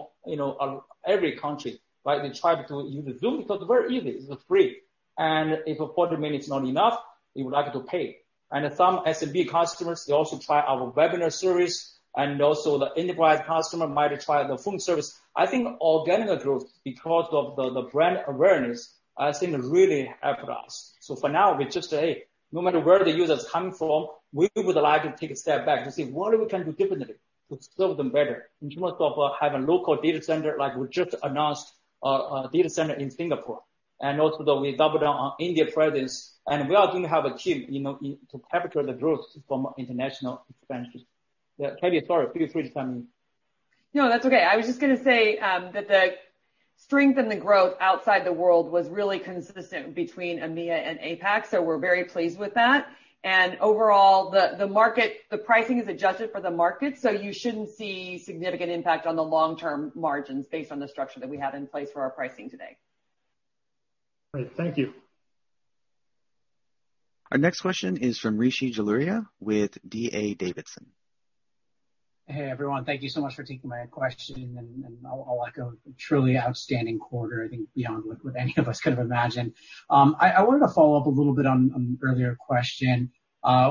every country. They try to use Zoom because very easy, it's free. If 40 minutes not enough, you would like to pay. Some SMB customers, they also try our Webinar service, and also the enterprise customer might try the Phone service. I think organic growth, because of the brand awareness, has been really helped us. For now, we just say, hey, no matter where the user is coming from, we would like to take a step back to see what we can do differently to serve them better in terms of having local data center, like we just announced a data center in Singapore. Also that we doubled down on India presence, and we are going to have a team to capture the growth from international expansion. Yeah. Kelly, sorry. Please [inaudible] No, that's okay. I was just going to say that the strength and the growth outside the world was really consistent between EMEA and APAC, so we're very pleased with that. Overall, the pricing is adjusted for the market, so you shouldn't see significant impact on the long-term margins based on the structure that we have in place for our pricing today. Great. Thank you. Our next question is from Rishi Jaluria with D.A. Davidson. Hey, everyone. Thank you so much for taking my question, and I'll echo, truly outstanding quarter, I think beyond what any of us could have imagined. I wanted to follow up a little bit on an earlier question,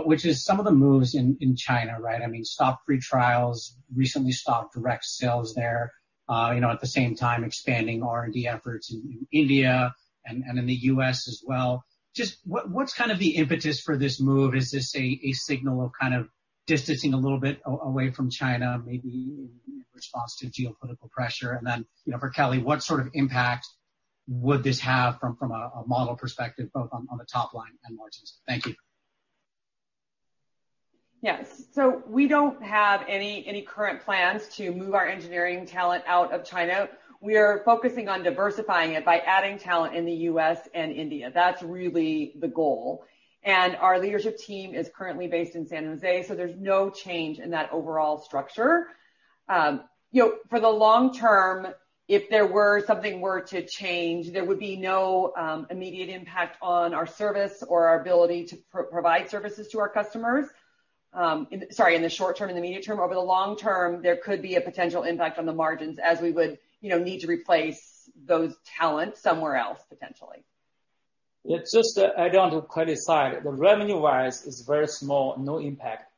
which is some of the moves in China, right? I mean, stopped free trials, recently stopped direct sales there. At the same time expanding R&D efforts in India and in the U.S. as well. Just what's kind of the impetus for this move? Is this a signal of kind of distancing a little bit away from China, maybe in response to geopolitical pressure? For Kelly, what sort of impact would this have from a model perspective, both on the top line and margins? Thank you. Yes. We don't have any current plans to move our engineering talent out of China. We are focusing on diversifying it by adding talent in the U.S. and India. That's really the goal. Our leadership team is currently based in San Jose, so there's no change in that overall structure. For the long term, if something were to change, there would be no immediate impact on our service or our ability to provide services to our customers. Sorry, in the short term and the immediate term. Over the long term, there could be a potential impact on the margins as we would need to replace those talent somewhere else, potentially. Yeah, just to add on to Kelly's side, the revenue-wise is very small, no impact.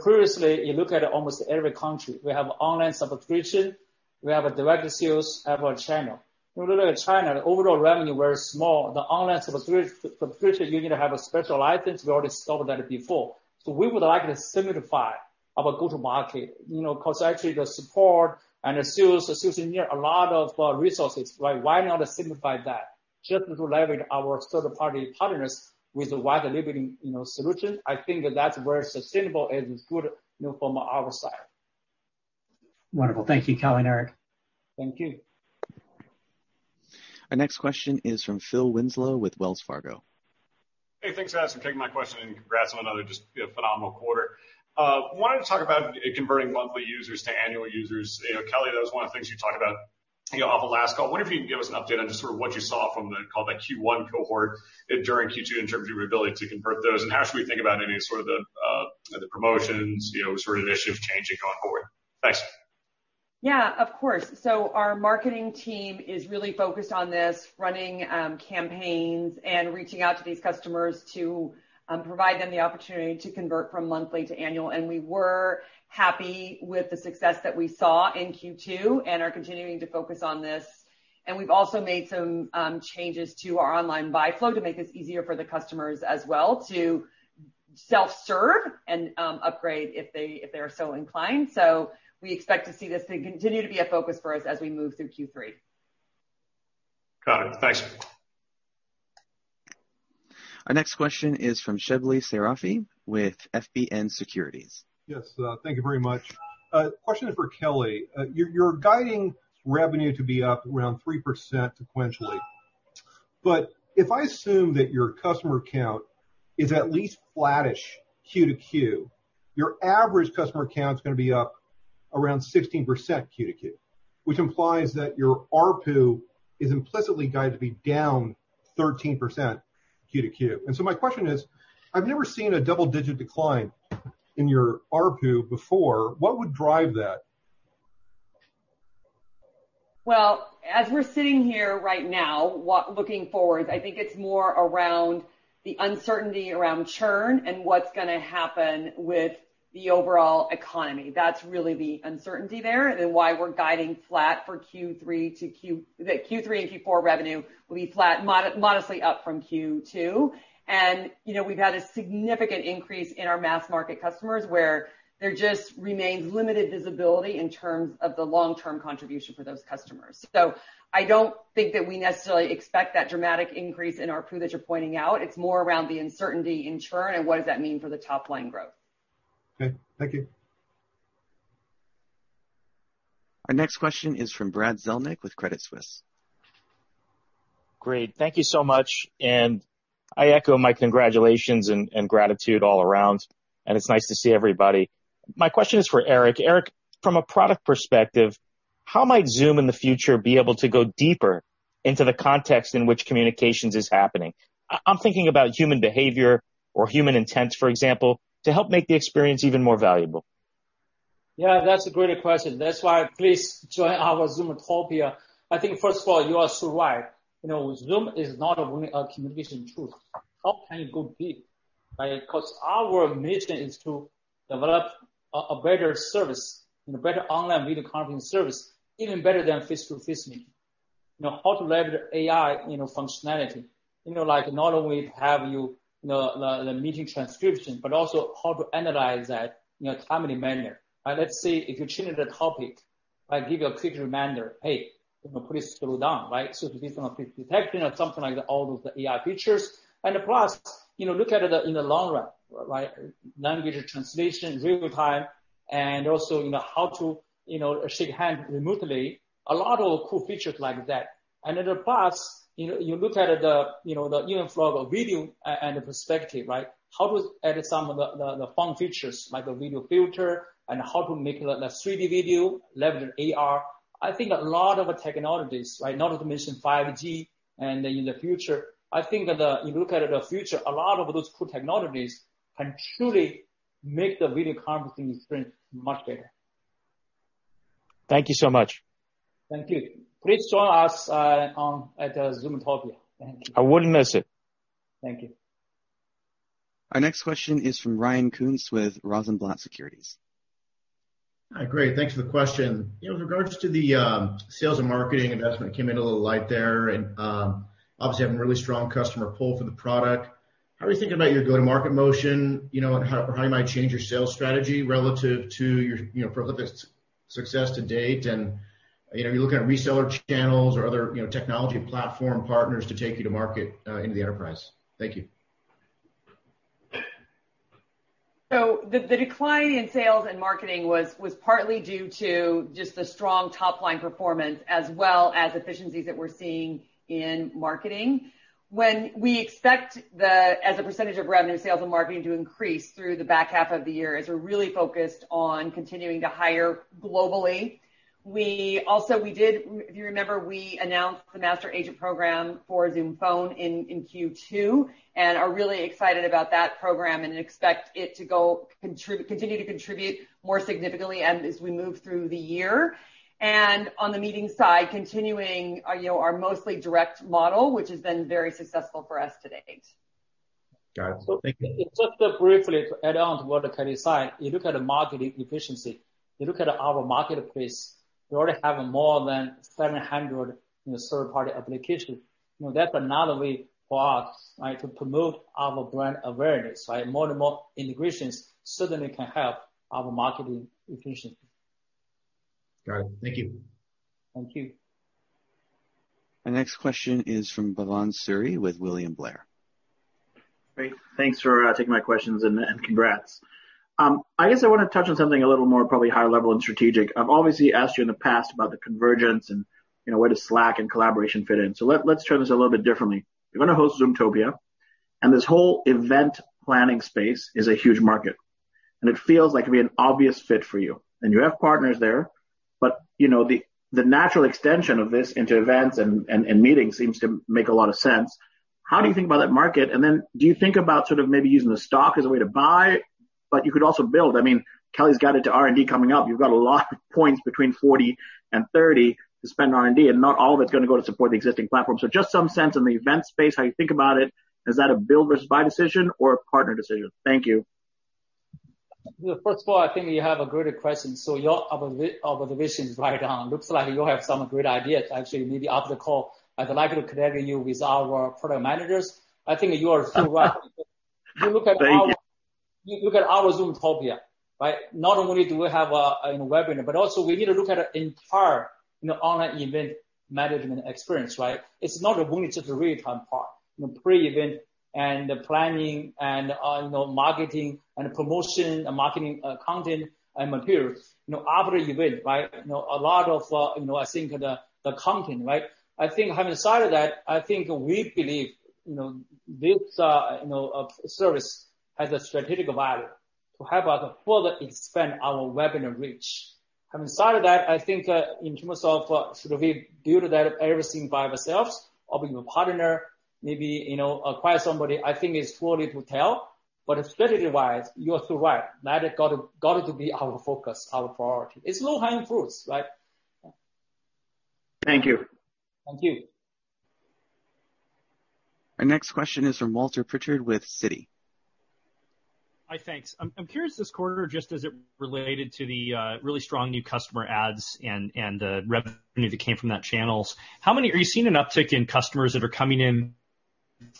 Previously, you look at almost every country, we have online subscription, we have a direct sales, have a channel. If you look at China, the overall revenue very small. The online subscription, you need to have a special license. We already stopped that before. We would like to simplify our go-to-market, because actually the support and the sales associates need a lot of resources. Why not simplify that? Just to leverage our third-party partners with the wide delivery solution. I think that's very sustainable and is good from our side. Wonderful. Thank you, Kelly and Eric. Thank you. Our next question is from Phil Winslow with Wells Fargo. Hey, thanks for taking my question, and congrats on another just phenomenal quarter. Wanted to talk about converting monthly users to annual users. Kelly, that was one of the things you talked about, off the last call. Wonder if you can give us an update on just sort of what you saw from the, call it the Q1 cohort during Q2 in terms of your ability to convert those, and how should we think about any of the promotions, sort of initiative change going forward? Thanks. Yeah, of course. Our marketing team is really focused on this, running campaigns and reaching out to these customers to provide them the opportunity to convert from monthly to annual. We were happy with the success that we saw in Q2 and are continuing to focus on this. We've also made some changes to our online buy flow to make this easier for the customers as well to self-serve and upgrade if they are so inclined. We expect to see this continue to be a focus for us as we move through Q3. Got it. Thanks. Our next question is from Shebly Seyrafi with FBN Securities. Yes. Thank you very much. Question for Kelly. You're guiding revenue to be up around 3% sequentially. If I assume that your customer count is at least flattish Q-to-Q, your average customer count is going to be up around 16% Q-to-Q, which implies that your ARPU is implicitly guided to be down 13% Q-to-Q. My question is, I've never seen a double-digit decline in your ARPU before. What would drive that? Well, as we're sitting here right now, looking forward, I think it's more around the uncertainty around churn and what's going to happen with the overall economy. That's really the uncertainty there and why we're guiding flat for Q3 and Q4 revenue will be flat, modestly up from Q2. We've had a significant increase in our mass market customers where there just remains limited visibility in terms of the long-term contribution for those customers. I don't think that we necessarily expect that dramatic increase in ARPU that you're pointing out. It's more around the uncertainty in churn and what does that mean for the top-line growth. Okay. Thank you. Our next question is from Brad Zelnick with Credit Suisse. Great. Thank you so much, and I echo my congratulations and gratitude all around, and it's nice to see everybody. My question is for Eric. Eric, from a product perspective, how might Zoom in the future be able to go deeper into the context in which communications is happening? I'm thinking about human behavior or human intent, for example, to help make the experience even more valuable. Yeah, that's a great question. That's why please join our Zoomtopia. I think, first of all, you are so right. Zoom is not only a communication tool. How can you go deep? Our mission is to develop a better service and a better online video conference service, even better than face-to-face meeting. How to leverage AI functionality. Like not only have you the meeting transcription, but also how to analyze that in a timely manner, right? Let's say if you change the topic, I give you a quick reminder, "Hey, please slow down," right? The system will be detecting or something like all of the AI features. Plus, look at it in the long run, right? Language translation real time, and also how to shake hand remotely. A lot of cool features like that. Plus, you look at the even from a video and a perspective, right? How to edit some of the fun features like a video filter and how to make a 3D video, leverage AR. I think a lot of technologies, right? Not to mention 5G and in the future. I think if you look at the future, a lot of those cool technologies can truly make the video conferencing experience much better. Thank you so much. Thank you. Please join us at Zoomtopia. Thank you. I wouldn't miss it. Thank you. Our next question is from Ryan Koontz with Rosenblatt Securities. Hi. Great. Thanks for the question. With regards to the sales and marketing investment, came into a little light there, and obviously having really strong customer pull for the product. How are you thinking about your go-to-market motion, or how you might change your sales strategy relative to your success to date? Are you looking at reseller channels or other technology platform partners to take you to market into the enterprise? Thank you. The decline in sales and marketing was partly due to just the strong top-line performance as well as efficiencies that we're seeing in marketing. When we expect the, as a percentage of revenue sales and marketing to increase through the back half of the year, as we're really focused on continuing to hire globally. We did, if you remember, we announced the master agent program for Zoom Phone in Q2 and are really excited about that program and expect it to continue to contribute more significantly and as we move through the year. On the meeting side, continuing our mostly direct model, which has been very successful for us to date. Got it. Thank you. Just briefly to add on to what Kelly said, you look at the marketing efficiency, you look at our marketplace, we already have more than 700 third-party applications. That's another way for us to promote our brand awareness, right? More and more integrations certainly can help our marketing efficiency. Got it. Thank you. Thank you. Our next question is from Bhavan Suri with William Blair. Great. Thanks for taking my questions and congrats. I guess I want to touch on something a little more probably high level and strategic. I've obviously asked you in the past about the convergence and where does Slack and collaboration fit in. Let's try this a little bit differently. You're going to host Zoomtopia, and this whole event planning space is a huge market, and it feels like it'd be an obvious fit for you. You have partners there, but the natural extension of this into events and meetings seems to make a lot of sense. How do you think about that market? Do you think about maybe using the stock as a way to buy? You could also build. I mean, Kelly's guided to R&D coming up. You've got a lot of points between 40 and 30 to spend on R&D, and not all of it's going to go to support the existing platform. Just some sense in the event space, how you think about it. Is that a build versus buy decision or a partner decision? Thank you. First of all, I think you have a great question. Your observation is right on. Looks like you have some great ideas. Maybe after the call, I'd like to connect you with our product managers. I think you are too right. Thank you. If you look at our Zoomtopia, right? Not only do we have a webinar, but also we need to look at entire online event management experience, right? It's not only just the real-time part. Pre-event and the planning and marketing and promotion and marketing content and material. After event, right? A lot of I think the content, right? I think having said that, I think we believe this service has a strategic value to help us further expand our webinar reach. Having said that, I think, in terms of should we build that everything by ourselves or with a partner, maybe acquire somebody, I think it's too early to tell. Strategically-wise, you are too right. That got to be our focus, our priority. It's low-hanging fruits, right? Thank you. Thank you. Our next question is from Walter Pritchard with Citi. Hi, thanks. I'm curious this quarter, just as it related to the really strong new customer adds and the revenue that came from that channels. Are you seeing an uptick in customers that are coming in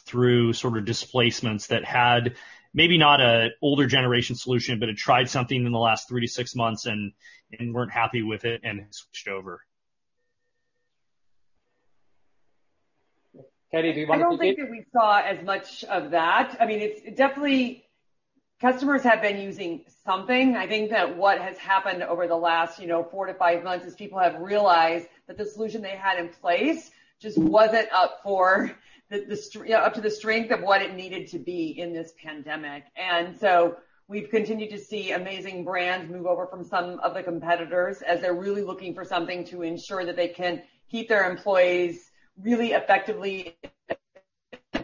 through sort of displacements that had maybe not an older generation solution, but had tried something in the last three to six months and weren't happy with it and have switched over? Kelly, do you want to take? I don't think that we saw as much of that. Definitely customers have been using something. I think that what has happened over the last 4-5 months is people have realized that the solution they had in place just wasn't up to the strength of what it needed to be in this pandemic. We've continued to see amazing brands move over from some of the competitors as they're really looking for something to ensure that they can keep their employees really effectively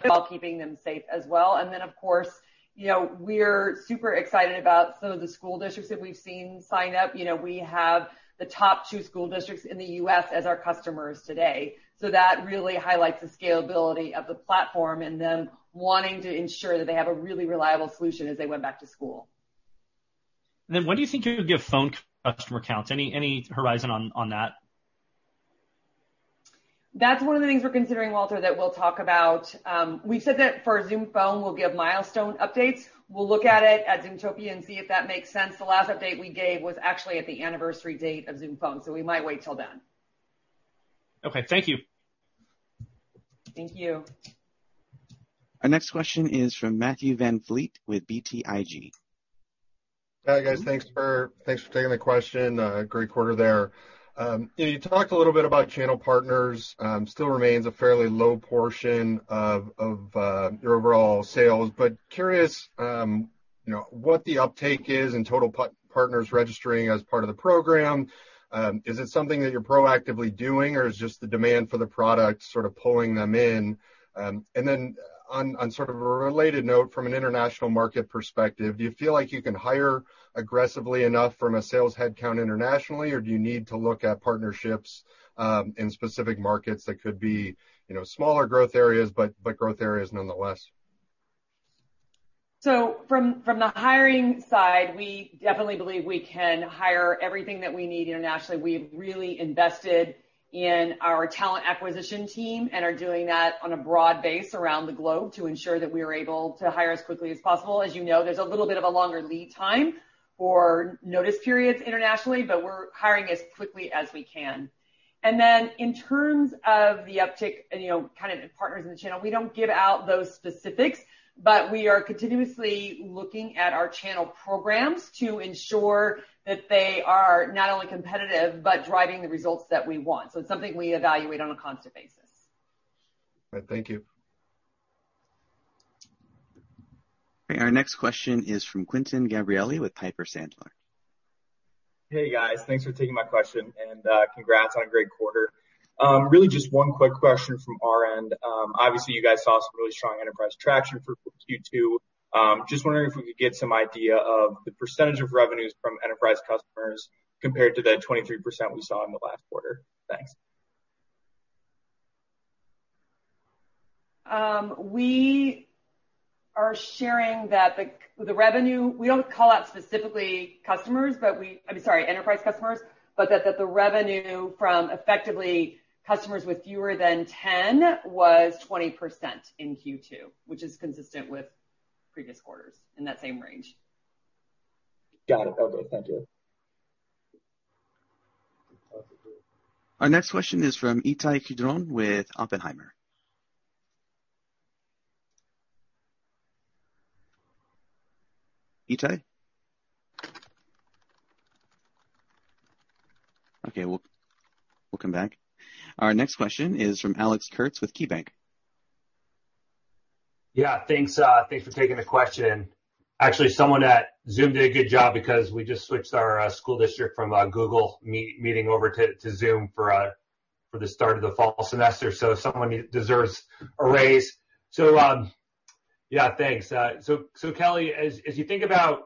while keeping them safe as well. Of course, we're super excited about some of the school districts that we've seen sign up. We have the top two school districts in the U.S. as our customers today. That really highlights the scalability of the platform and them wanting to ensure that they have a really reliable solution as they went back to school. When do you think you'll give phone customer counts? Any horizon on that? That's one of the things we're considering, Walter, that we'll talk about. We've said that for Zoom Phone, we'll give milestone updates. We'll look at it at Zoomtopia and see if that makes sense. The last update we gave was actually at the anniversary date of Zoom Phone. We might wait till then. Okay. Thank you. Thank you. Our next question is from Matthew VanVliet with BTIG. Hi, guys. Thanks for taking the question. Great quarter there. You talked a little bit about channel partners, still remains a fairly low portion of your overall sales. Curious what the uptake is in total partners registering as part of the program. Is it something that you're proactively doing, or is just the demand for the product sort of pulling them in? On sort of a related note from an international market perspective, do you feel like you can hire aggressively enough from a sales headcount internationally, or do you need to look at partnerships in specific markets that could be smaller growth areas, but growth areas nonetheless? From the hiring side, we definitely believe we can hire everything that we need internationally. We've really invested in our talent acquisition team and are doing that on a broad base around the globe to ensure that we are able to hire as quickly as possible. As you know, there's a little bit of a longer lead time for notice periods internationally, but we're hiring as quickly as we can. In terms of the uptick and kind of partners in the channel, we don't give out those specifics, but we are continuously looking at our channel programs to ensure that they are not only competitive but driving the results that we want. It's something we evaluate on a constant basis. Right. Thank you. Okay, our next question is from Quinton Gabrielli with Piper Sandler. Hey, guys. Thanks for taking my question, and congrats on a great quarter. Really just one quick question from our end. Obviously, you guys saw some really strong enterprise traction for Q2. Just wondering if we could get some idea of the percentage of revenues from enterprise customers compared to the 23% we saw in the last quarter. Thanks. We are sharing that the revenue, we don't call out specifically enterprise customers, but that the revenue from effectively customers with fewer than 10 was 20% in Q2, which is consistent with previous quarters in that same range. Got it. Okay. Thank you. Our next question is from Itay Kidron with Oppenheimer. Itay? Okay, we'll come back. Our next question is from Alex Kurtz with KeyBank. Yeah. Thanks. Thanks for taking the question. Actually, someone at Zoom did a good job because we just switched our school district from a Google meeting over to Zoom for the start of the fall semester. Someone deserves a raise. Yeah, thanks. Kelly, as you think about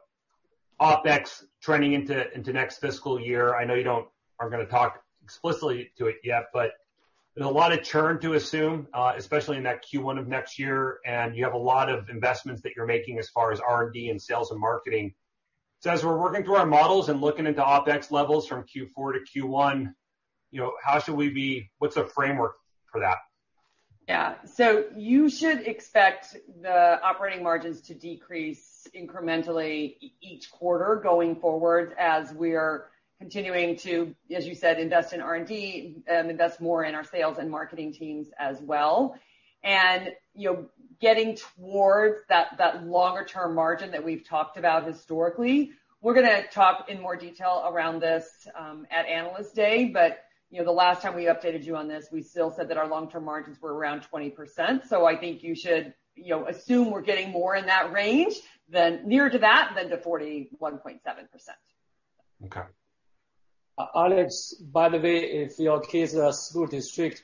OpEx trending into next fiscal year, I know you aren't going to talk explicitly to it yet, but there's a lot of churn to assume, especially in that Q1 of next year, and you have a lot of investments that you're making as far as R&D and sales and marketing. As we're working through our models and looking into OpEx levels from Q4 to Q1, what's a framework for that? Yeah. You should expect the operating margins to decrease incrementally each quarter going forward as we are continuing to, as you said, invest in R&D and invest more in our sales and marketing teams as well. Getting towards that longer-term margin that we've talked about historically. We're going to talk in more detail around this at Analyst Day. The last time we updated you on this, we still said that our long-term margins were around 20%. I think you should assume we're getting more in that range, nearer to that than to 41.7%. Okay. Alex, by the way, if your kids' school district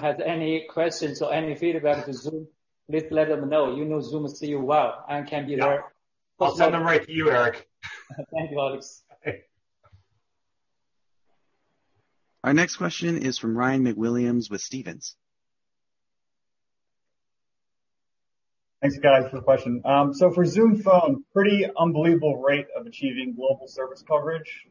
has any questions or any feedback to Zoom, please let them know. You know Zoom sees you well and can be there. Yeah. I'll send them right to you, Eric. Thank you, Alex. Okay. Our next question is from Ryan MacWilliams with Stephens. Thanks, guys, for the question. For Zoom Phone, pretty unbelievable rate of achieving global service coverage.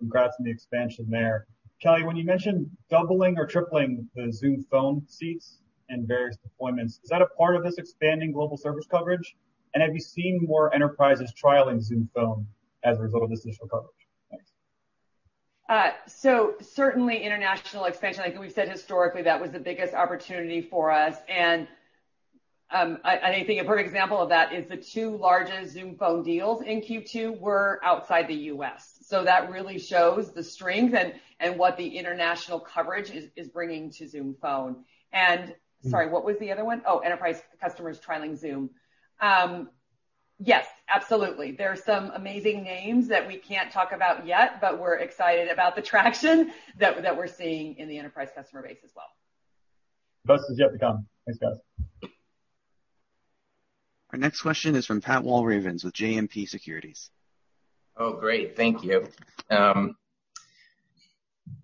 Congrats on the expansion there. Kelly, when you mentioned doubling or tripling the Zoom Phone seats and various deployments, is that a part of this expanding global service coverage? Have you seen more enterprises trialing Zoom Phone as a result of this initial coverage? Thanks. Certainly international expansion, like we've said historically, that was the biggest opportunity for us. I think a perfect example of that is the two largest Zoom Phone deals in Q2 were outside the U.S. That really shows the strength and what the international coverage is bringing to Zoom Phone. Sorry, what was the other one? Enterprise customers trialing Zoom. Yes, absolutely. There are some amazing names that we can't talk about yet, but we're excited about the traction that we're seeing in the enterprise customer base as well. Best is yet to come. Thanks, guys. Our next question is from Pat Walravens with JMP Securities. Great. Thank you.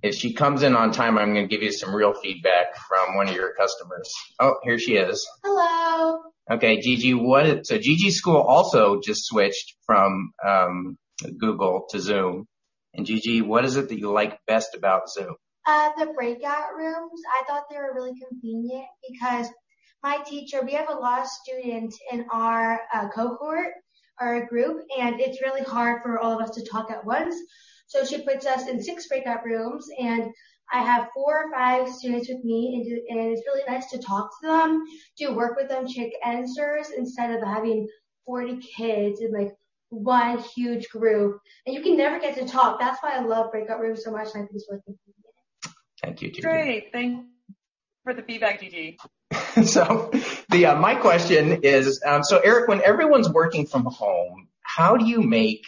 If she comes in on time, I'm going to give you some real feedback from one of your customers. Here she is. Hello. Okay, Gigi. Gigi's school also just switched from Google to Zoom. Gigi, what is it that you like best about Zoom? The breakout rooms, I thought they were really convenient because my teacher, we have a lot of students in our cohort or group, and it's really hard for all of us to talk at once. She puts us in six breakout rooms, and I have four or five students with me, and it's really nice to talk to them, to work with them, check answers, instead of having 40 kids in one huge group. You can never get to talk. That's why I love breakout rooms so much. I think it's really convenient. Thank you, Gigi. Great. Thanks for the feedback, Gigi. My question is, so Eric, when everyone's working from home, how do you make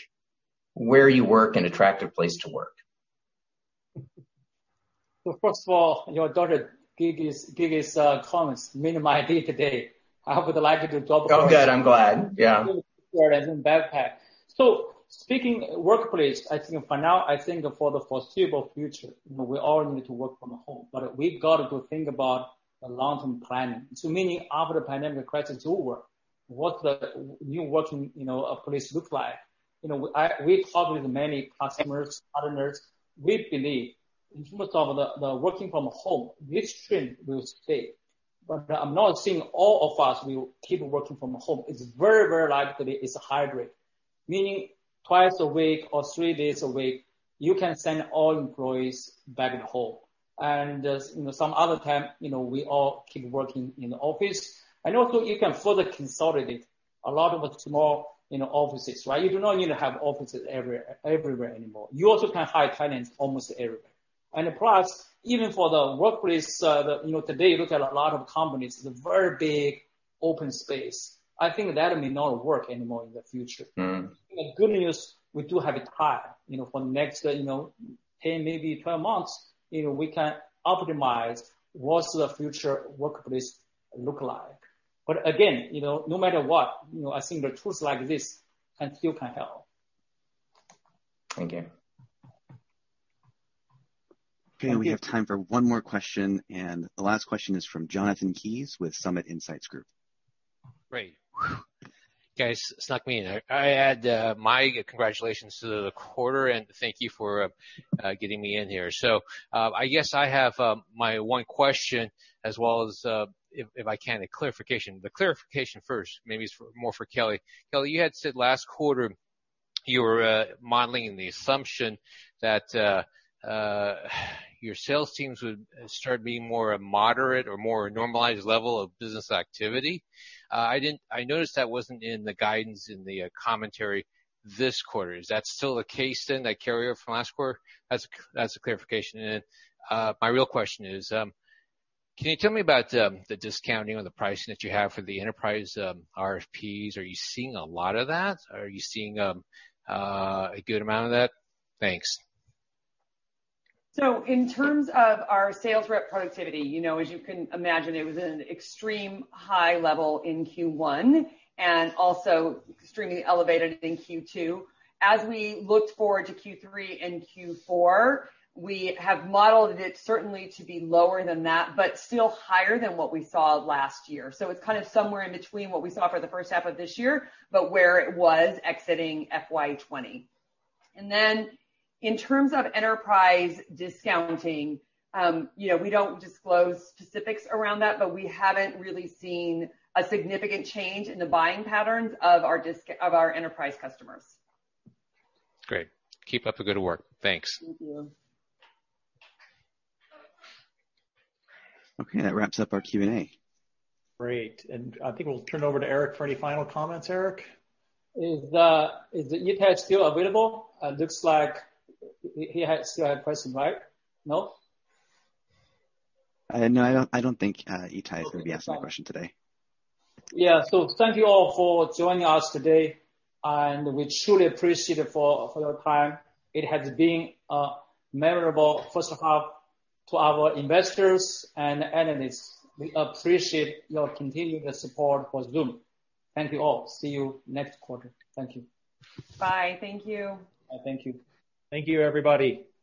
where you work an attractive place to work? First of all, your daughter Gigi's comments made my day today. I hope the live did the job for us. Oh, good. I'm glad. Yeah. Backpack. Speaking workplace, I think for now, I think for the foreseeable future, we all need to work from home. We've got to think about the long-term planning. Meaning after the pandemic crisis is over, what's the new workplace look like? We've talked with many customers, partners. We believe in terms of the working from home, this trend will stay. I'm not saying all of us will keep working from home. It's very likely it's hybrid, meaning twice a week or three days a week, you can send all employees back home. Some other time, we all keep working in the office. Also you can further consolidate a lot of more offices, right? You do not need to have offices everywhere anymore. You also can hire talents almost everywhere. Plus, even for the workplace, today, you look at a lot of companies, the very big open space. I think that may not work anymore in the future. The good news, we do have time. For next 10, maybe 12 months, we can optimize what's the future workplace look like. Again, no matter what, I think the tools like this still can help. Thank you. Okay. We have time for one more question, and the last question is from Jonathan Kees with Summit Insights Group. Great. Guys, snuck me in. I add my congratulations to the quarter, and thank you for getting me in here. I guess I have my one question as well as, if I can, a clarification. The clarification first, maybe it's more for Kelly. Kelly, you had said last quarter you were modeling the assumption that your sales teams would start being more moderate or more normalized level of business activity. I noticed that wasn't in the guidance in the commentary this quarter. Is that still the case then that carryover from last quarter? That's a clarification. My real question is, can you tell me about the discounting or the pricing that you have for the enterprise RFPs? Are you seeing a lot of that? Are you seeing a good amount of that? Thanks. In terms of our sales rep productivity, as you can imagine, it was at an extreme high level in Q1 and also extremely elevated in Q2. As we looked forward to Q3 and Q4, we have modeled it certainly to be lower than that, but still higher than what we saw last year. It's kind of somewhere in between what we saw for the first half of this year, but where it was exiting FY20. In terms of enterprise discounting, we don't disclose specifics around that, but we haven't really seen a significant change in the buying patterns of our enterprise customers. Great. Keep up the good work. Thanks. Thank you. Okay. That wraps up our Q&A. Great. I think we'll turn it over to Eric for any final comments. Eric? Is Itay still available? It looks like he still had a question, right? No? No, I don't think Itay is going to be asking a question today. Yeah. Thank you all for joining us today, and we truly appreciate it for your time. It has been a memorable first half to our investors and analysts. We appreciate your continuous support for Zoom. Thank you all. See you next quarter. Thank you. Bye. Thank you. Thank you. Thank you, everybody.